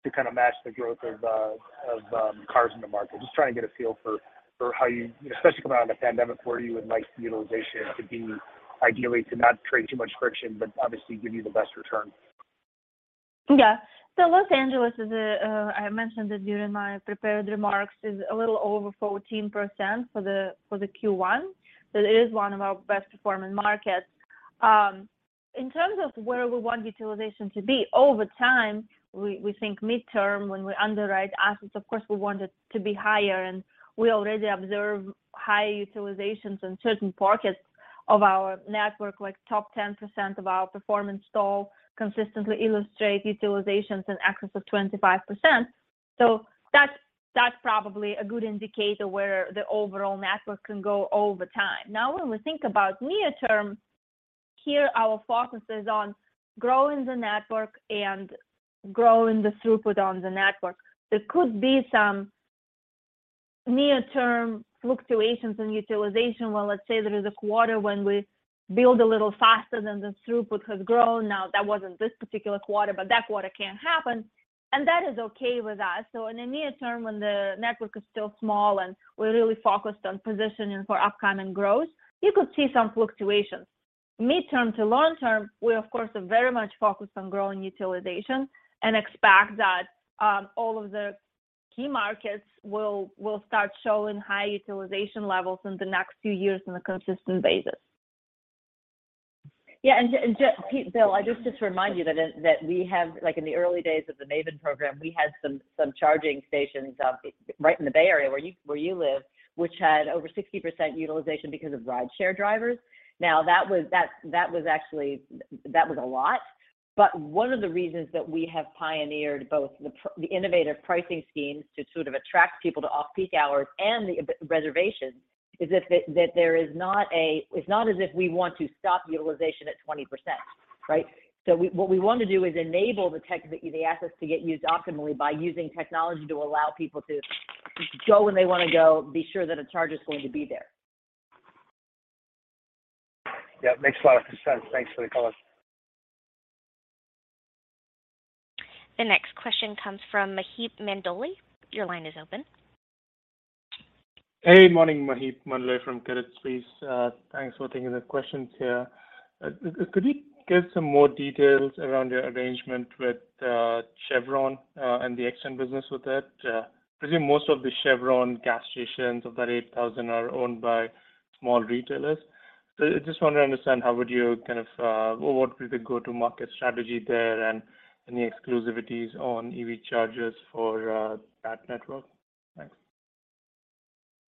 to kinda match the growth of cars in the market? Just trying to get a feel for how you, especially coming out of the pandemic, where you would like the utilization to be ideally to not create too much friction but obviously give you the best return. Los Angeles is, I mentioned it during my prepared remarks, is a little over 14% for the Q1. It is one of our best performing markets. In terms of where we want utilization to be, over time, we think midterm when we underwrite assets, of course, we want it to be higher, and we already observe high utilizations in certain pockets of our network. Like top 10% of our performance stall consistently illustrate utilizations in excess of 25%. That's probably a good indicator where the overall network can go over time. When we think about near term, here our focus is on growing the network and growing the throughput on the network. There could be some near-term fluctuations in utilization. Let's say there is a quarter when we build a little faster than the throughput has grown. That wasn't this particular quarter, but that quarter can happen, and that is okay with us. In the near term, when the network is still small and we're really focused on positioning for upcoming growth, you could see some fluctuations. Midterm to long term, we of course are very much focused on growing utilization and expect that all of the key markets will start showing high utilization levels in the next few years on a consistent basis. Yeah. Bill, I just to remind you that we have, like in the early days of the Maven program, we had some charging stations, right in the Bay Area where you, where you live, which had over 60% utilization because of rideshare drivers. That was actually, that was a lot. One of the reasons that we have pioneered both the innovative pricing schemes to sort of attract people to off-peak hours and the reservations is that there is not a it's not as if we want to stop utilization at 20%, right? What we want to do is enable the tech, the EV assets to get used optimally by using technology to allow people to go when they wanna go, be sure that a charge is going to be there. Yeah. Makes a lot of sense. Thanks for the color. The next question comes from Maheep Mandloi. Your line is open. Hey, morning. Maheep Mandloi from Crédit Suisse. Thanks for taking the questions here. Could you give some more details around your arrangement with Chevron and the eXtend business with it? I presume most of the Chevron gas stations of that 8,000 are owned by small retailers. I just wanted to understand how would you kind of, or what would be the go-to-market strategy there and any exclusivities on EV chargers for that network?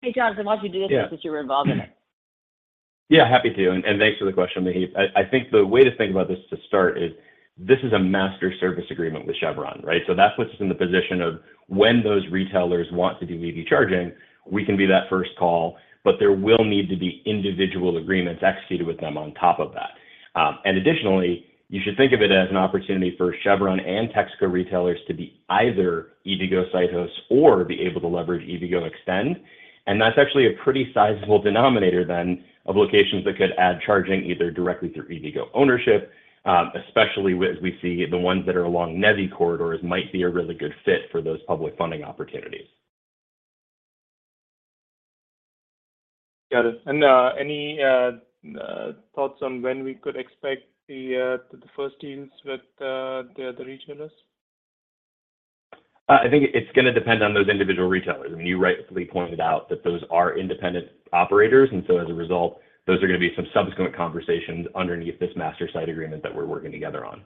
Thanks. Hey, Jonathan, why don't you do this since you were involved in it? Happy to, and thanks for the question, Maheep. I think the way to think about this to start is this is a master service agreement with Chevron, right? That puts us in the position of when those retailers want to do EV charging, we can be that first call, but there will need to be individual agreements executed with them on top of that. Additionally, you should think of it as an opportunity for Chevron and Texaco retailers to be either EVgo site hosts or be able to leverage EVgo eXtend. That's actually a pretty sizable denominator then of locations that could add charging either directly through EVgo ownership, especially as we see the ones that are along NEVI corridors might be a really good fit for those public funding opportunities. Got it. Any thoughts on when we could expect the first deals with the retailers? I think it's gonna depend on those individual retailers. I mean, you rightfully pointed out that those are independent operators, and so as a result, those are gonna be some subsequent conversations underneath this master site agreement that we're working together on.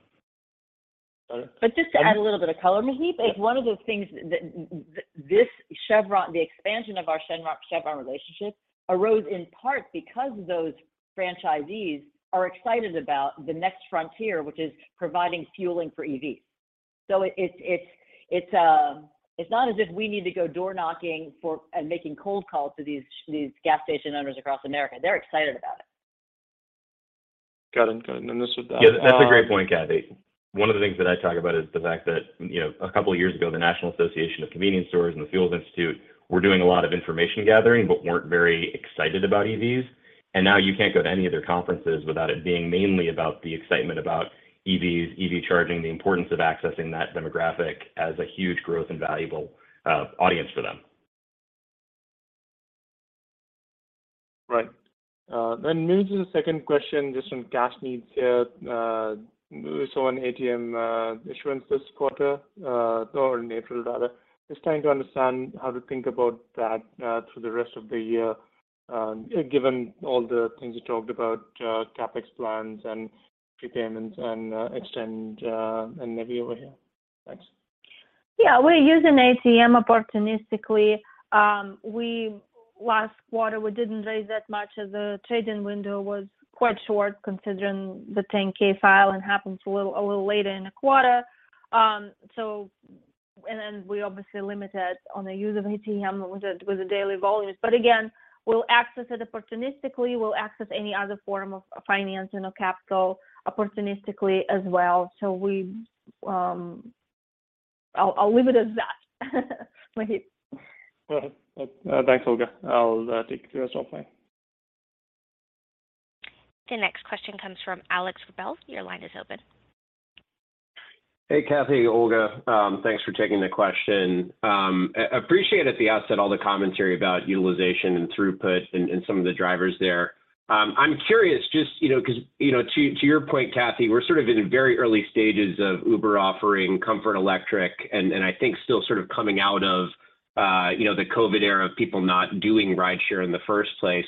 Just to add a little bit of color, Maheep, one of the things that this Chevron, the expansion of our Sheetz-Chevron relationship arose in part because those franchisees are excited about the next frontier, which is providing fueling for EVs. It's not as if we need to go door-knocking for and making cold calls to these gas station owners across America. They're excited about it. Got it. Got it. This is. Yeah, that's a great point, Cathy. One of the things that I talk about is the fact that, you know, a couple of years ago, the National Association of Convenience Stores and the Fuels Institute were doing a lot of information gathering but weren't very excited about EVs. Now you can't go to any of their conferences without it being mainly about the excitement about EVs, EV charging, the importance of accessing that demographic as a huge growth and valuable audience for them. Right. Moving to the second question, just on cash needs here. We saw an ATM issuance this quarter, or in April rather. Just trying to understand how to think about that through the rest of the year, given all the things you talked about, CapEx plans and prepayments and eXtend and NEVI over here. Thanks. We're using ATM opportunistically. Last quarter, we didn't raise that much as the trading window was quite short considering the 10-K filing happened a little later in the quarter. We obviously limited on the use of ATM with the daily volumes. Again, we'll access it opportunistically. We'll access any other form of financing or capital opportunistically as well. I'll leave it as that, Maheep. Got it. Thanks, Olga. I'll take the rest offline. The next question comes from Alex Rebele. Your line is open. Hey, Cathy, Olga. Thanks for taking the question. I appreciate at the outset all the commentary about utilization and throughput and some of the drivers there. I'm curious just, you know, 'cause, you know, to your point, Cathy, we're sort of in very early stages of Uber offering Comfort Electric, and I think still sort of coming out of, you know, the COVID era of people not doing rideshare in the first place.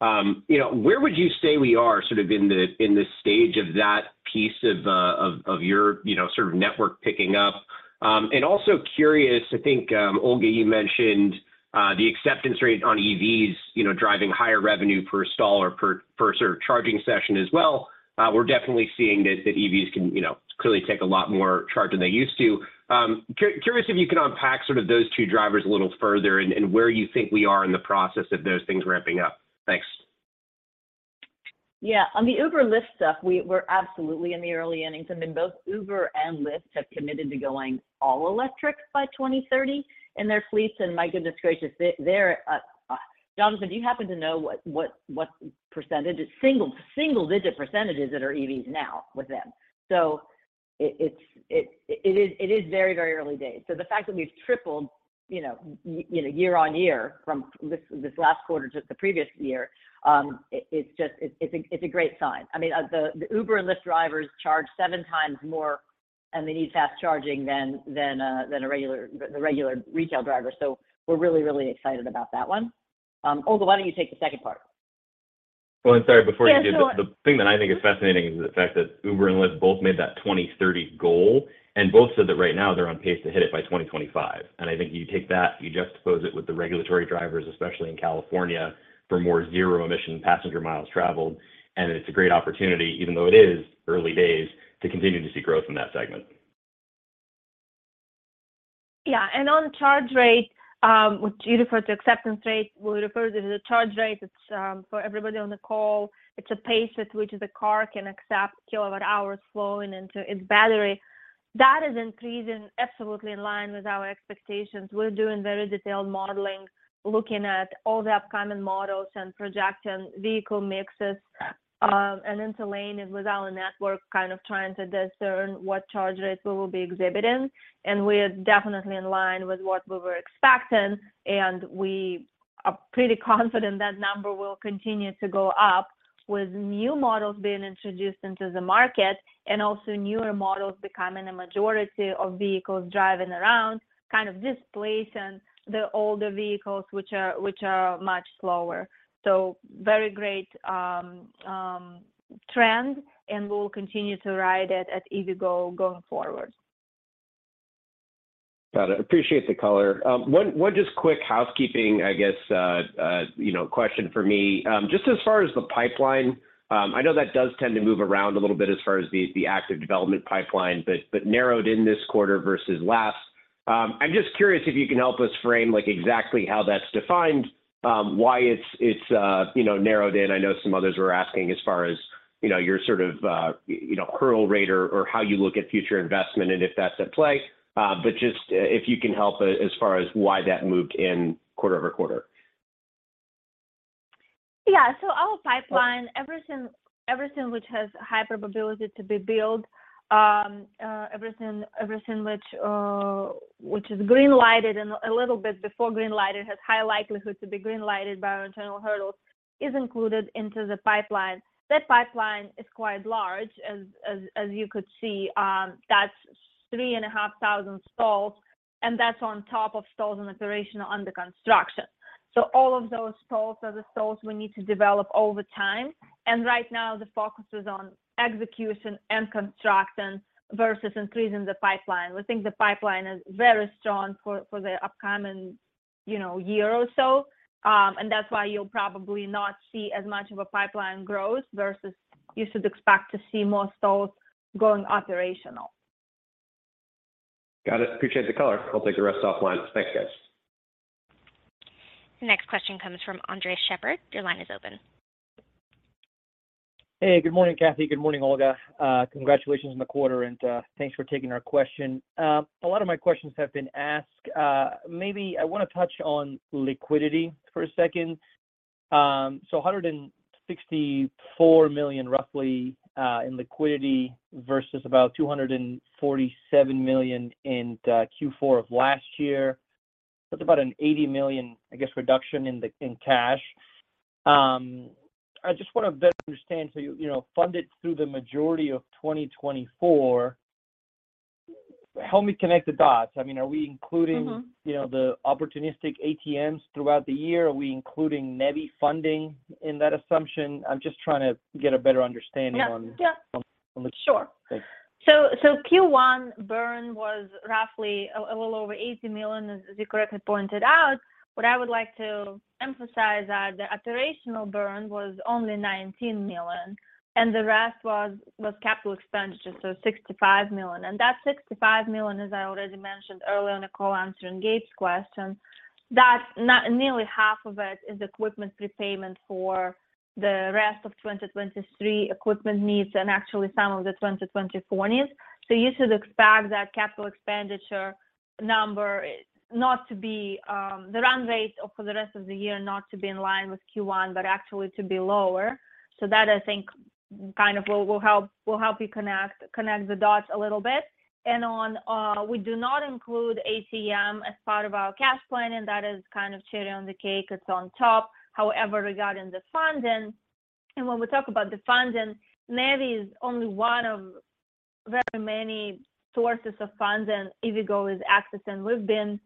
You know, where would you say we are sort of in the stage of that piece of your, you know, sort of network picking up? Also curious, I think, Olga, you mentioned the acceptance rate on EVs, you know, driving higher revenue per stall or per sort of charging session as well. We're definitely seeing that EVs can, you know, clearly take a lot more charge than they used to. Curious if you can unpack sort of those two drivers a little further and where you think we are in the process of those things ramping up. Thanks. On the Uber/Lyft stuff, we're absolutely in the early innings. I mean, both Uber and Lyft have committed to going all electric by 2030 in their fleets. My goodness gracious, they're... Jonathan, do you happen to know what percentage... single digit percentage is at our EVs now with them? It is very, very early days. The fact that we've tripled, you know, you know, year-on-year from this last quarter to the previous year, it's just, it's a great sign. I mean, the Uber and Lyft drivers charge 7x more and they need fast charging than a regular, the regular retail driver. We're really, really excited about that one. Olga, why don't you take the second part? Sorry, before you do, the thing that I think is fascinating is the fact that Uber and Lyft both made that 2030 goal, and both said that right now they're on pace to hit it by 2025. I think you take that, you juxtapose it with the regulatory drivers, especially in California, for more zero emission passenger miles traveled, and it's a great opportunity, even though it is early days, to continue to see growth in that segment. Yeah. On charge rate, which you refer to acceptance rate, we refer to the charge rate. It's for everybody on the call, it's a pace at which the car can accept kilowatt hours flowing into its battery. That is increasing absolutely in line with our expectations. We're doing very detailed modeling, looking at all the upcoming models and projecting vehicle mixes, and interlane with our network kind of trying to discern what charge rates we will be exhibiting. We're definitely in line with what we were expecting, and we are pretty confident that number will continue to go up with new models being introduced into the market and also newer models becoming a majority of vehicles driving around, kind of displacing the older vehicles which are much slower. Very great, trend, and we'll continue to ride it at EVgo going forward. Got it. Appreciate the color. one just quick housekeeping, I guess, you know, question for me. Just as far as the pipeline, I know that does tend to move around a little bit as far as the active development pipeline, but narrowed in this quarter versus last. I'm just curious if you can help us frame, like, exactly how that's defined, why it's, you know, narrowed in. I know some others were asking as far as, you know, your sort of, you know, hurdle rate or how you look at future investment and if that's at play. Just, if you can help as far as why that moved in quarter-over-quarter. Our pipeline, everything which has high probability to be built, everything which is greenlighted and a little bit before greenlighted has high likelihood to be greenlighted by our internal hurdles is included into the pipeline. That pipeline is quite large, as you could see. That's 3,500 stalls, and that's on top of stalls in operation under construction. All of those stalls are the stalls we need to develop over time. Right now, the focus is on execution and construction versus increasing the pipeline. We think the pipeline is very strong for the upcoming, you know, year or so, that's why you'll probably not see as much of a pipeline growth versus you should expect to see more stalls going operational. Got it. Appreciate the color. I'll take the rest offline. Thanks, guys. The next question comes from Andres Sheppard. Your line is open. Hey, good morning, Cathy. Good morning, Olga. Congratulations on the quarter and thanks for taking our question. A lot of my questions have been asked. Maybe I wanna touch on liquidity for a second. A $164 million roughly in liquidity versus about $247 million in Q4 of last year. That's about an $80 million, I guess, reduction in cash. I just wanna better understand, you know, funded through the majority of 2024, help me connect the dots. I mean, are we including- Mm-hmm You know, the opportunistic ATMs throughout the year? Are we including NEVI funding in that assumption? I'm just trying to get a better understanding. Yeah. Yeah. on the- Sure. Thanks. Q1 burn was roughly a little over $80 million, as you correctly pointed out. What I would like to emphasize are the operational burn was only $19 million, and the rest was capital expenditures, $65 million. That $65 million, as I already mentioned earlier on the call answering Gabe's question, that's not. Nearly half of it is equipment prepayment for the rest of 2023 equipment needs and actually some of the 2024 needs. You should expect that capital expenditure number not to be the run rate or for the rest of the year not to be in line with Q1, but actually to be lower. That I think kind of will help you connect the dots a little bit. On, we do not include ATM as part of our cash plan, and that is kind of cherry on the cake. It's on top. However, regarding the funding, and when we talk about the funding, NEVI is only one of very many sources of funding EVgo is accessing. We've been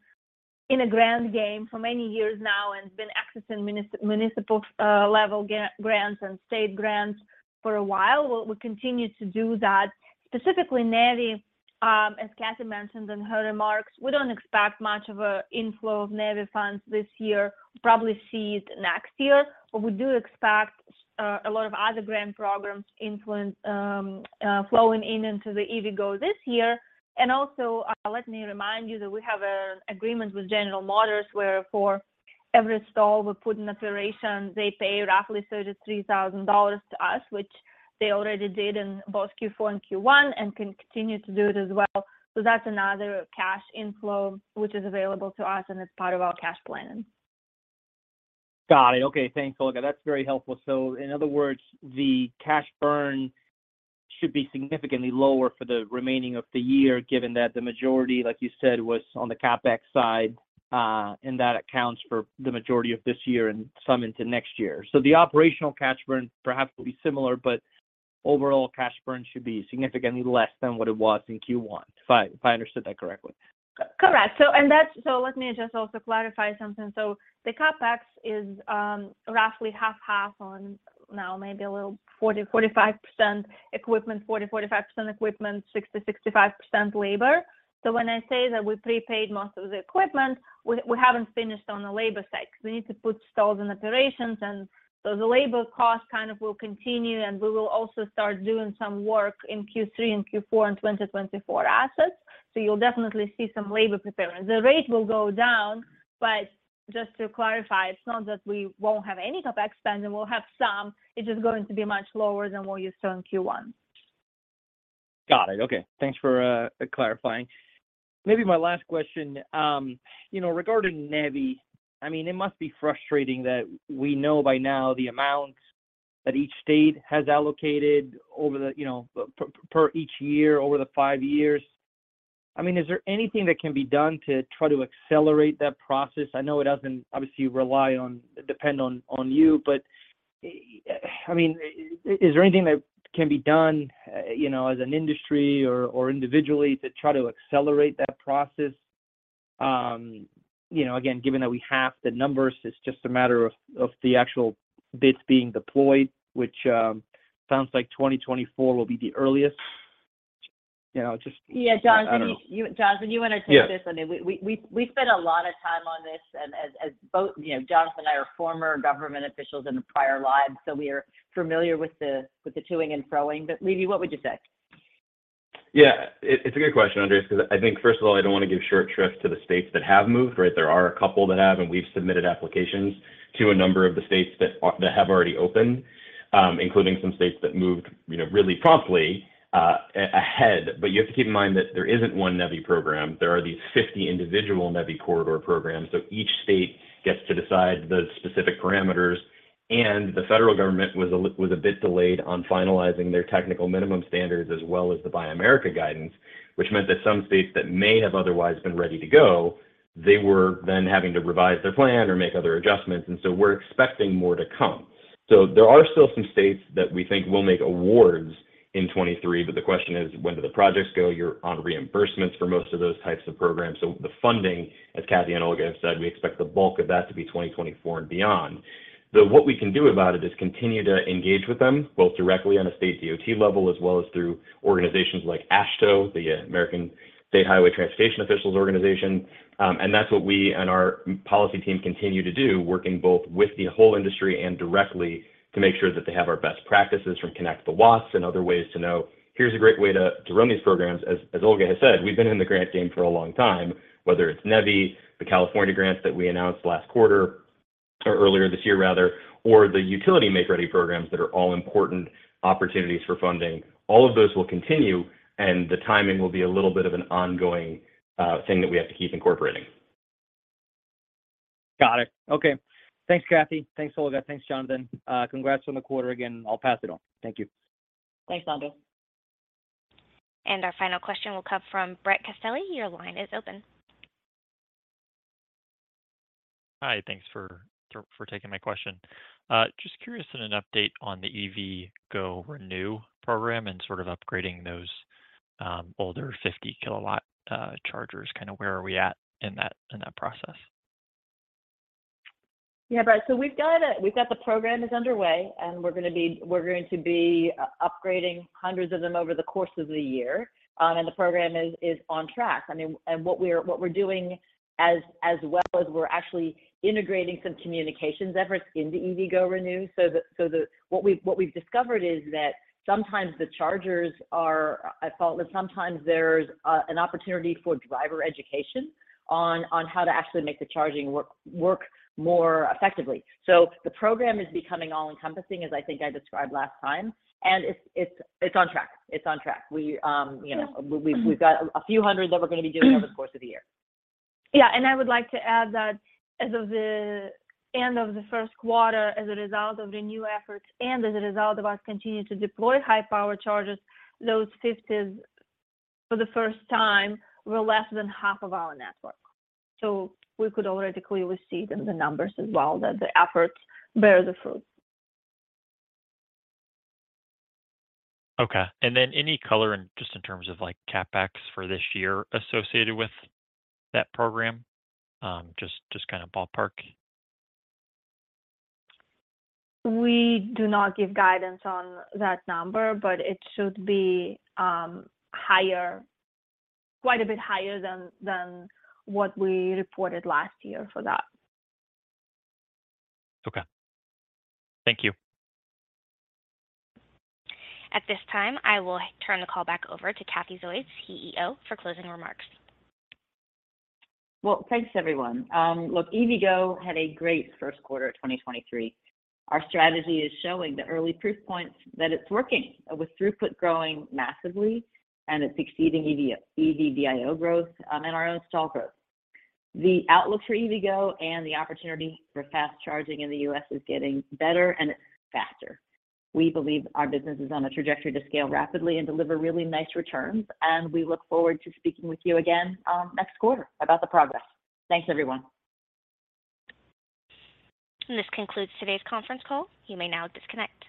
in a grand game for many years now and been accessing municipal level grants and state grants for a while. We'll continue to do that. Specifically NEVI, as Cathy mentioned in her remarks, we don't expect much of a inflow of NEVI funds this year. We'll probably see it next year. We do expect a lot of other grant programs influence flowing in into the EVgo this year. Also, let me remind you that we have an agreement with General Motors where for every stall we put in operation, they pay roughly $33,000 to us, which they already did in both Q4 and Q1 and can continue to do it as well. That's another cash inflow which is available to us, and it's part of our cash planning. Got it. Okay. Thanks, Olga. That's very helpful. In other words, the cash burn should be significantly lower for the remaining of the year, given that the majority, like you said, was on the CapEx side, and that accounts for the majority of this year and some into next year. The operational cash burn perhaps will be similar, but overall cash burn should be significantly less than what it was in Q1, if I understood that correctly. Correct. Let me just also clarify something. The CapEx is roughly half/half on now maybe a little 40%-45% equipment, 60%-65% labor. When I say that we prepaid most of the equipment, we haven't finished on the labor side because we need to put stalls in operations, the labor cost kind of will continue, we will also start doing some work in Q3 and Q4 in 2024 assets. You'll definitely see some labor prepayment. The rate will go down, but just to clarify, it's not that we won't have any CapEx spend, we'll have some. It's just going to be much lower than what you saw in Q1. Got it. Okay. Thanks for clarifying. Maybe my last question, you know, regarding NEVI, I mean, it must be frustrating that we know by now the amount that each state has allocated over the, you know, per each year over the five years. I mean, is there anything that can be done to try to accelerate that process? I know it doesn't obviously depend on you, but, I mean, is there anything that can be done, you know, as an industry or individually to try to accelerate that process? You know, again, given that we have the numbers, it's just a matter of the actual bits being deployed, which sounds like 2024 will be the earliest. You know, just- Yeah. Jonathan. I don't know. Jonathan, you wanna take this? Yeah. I mean, we've spent a lot of time on this. As both you know, Jonathan and I are former government officials in the prior lives, so we are familiar with the to-ing and fro-ing. Levy, what would you say? Yeah. It's a good question, Andres, 'cause I think first of all, I don't wanna give short shrift to the states that have moved, right? There are a couple that have, and we've submitted applications to a number of the states that have already opened, including some states that moved, you know, really promptly, ahead. You have to keep in mind that there isn't one NEVI program. There are these 50 individual NEVI corridor programs. Each state gets to decide the specific parameters. The federal government was a bit delayed on finalizing their technical minimum standards as well as the Buy America guidance, which meant that some states that may have otherwise been ready to go, they were then having to revise their plan or make other adjustments. We're expecting more to come. There are still some states that we think will make awards in 2023, but the question is, when do the projects go? You're on reimbursements for most of those types of programs. The funding, as Cathy and Olga have said, we expect the bulk of that to be 2024 and beyond. What we can do about it is continue to engage with them, both directly on a state DOT level as well as through organizations like AASHTO, the American State Highway Transportation Officials organization. That's what we and our policy team continue to do, working both with the whole industry and directly to make sure that they have our best practices from Connect the Watts and other ways to know, here's a great way to run these programs. As Olga has said, we've been in the grant game for a long time, whether it's NEVI, the California grants that we announced last quarter or earlier this year rather, or the utility make-ready programs that are all important opportunities for funding. All of those will continue, and the timing will be a little bit of an ongoing thing that we have to keep incorporating. Got it. Okay. Thanks, Cathy. Thanks, Olga. Thanks, Jonathan. Congrats on the quarter again. I'll pass it on. Thank you. Thanks, Andres. Our final question will come from Brett Castelli. Your line is open. Hi. Thanks for taking my question. Just curious in an update on the EVgo ReNew program and sort of upgrading those older 50 kilowatt chargers. Kinda where are we at in that process? Yeah, Brett. We've got the program is underway, and we're going to be upgrading hundreds of them over the course of the year. The program is on track. I mean what we're doing as well is we're actually integrating some communications efforts into EVgo ReNew so that what we've discovered is that sometimes the chargers are at fault, but sometimes there's an opportunity for driver education on how to actually make the charging work more effectively. The program is becoming all-encompassing, as I think I described last time, and it's on track. It's on track. We, you know, we've got a few hundred that we're going to be doing over the course of the year. Yeah. I would like to add that as of the end of the first quarter, as a result of the new efforts and as a result of us continuing to deploy high-power chargers, those fifties for the first time were less than half of our network. We could already clearly see in the numbers as well that the efforts bear the fruit. Okay. Any color in just in terms of like CapEx for this year associated with that program? Just kind of ballpark. We do not give guidance on that number. It should be higher, quite a bit higher than what we reported last year for that. Okay. Thank you. At this time, I will turn the call back over to Cathy Zoi, CEO, for closing remarks. Well, thanks everyone. look, EVgo had a great 1st quarter of 2023. Our strategy is showing the early proof points that it's working, with throughput growing massively, and it's exceeding EV VIO growth, and our install growth. The outlook for EVgo and the opportunity for fast charging in the U.S. is getting better and faster. We believe our business is on a trajectory to scale rapidly and deliver really nice returns, and we look forward to speaking with you again, next quarter about the progress. Thanks, everyone. This concludes today's conference call. You may now disconnect.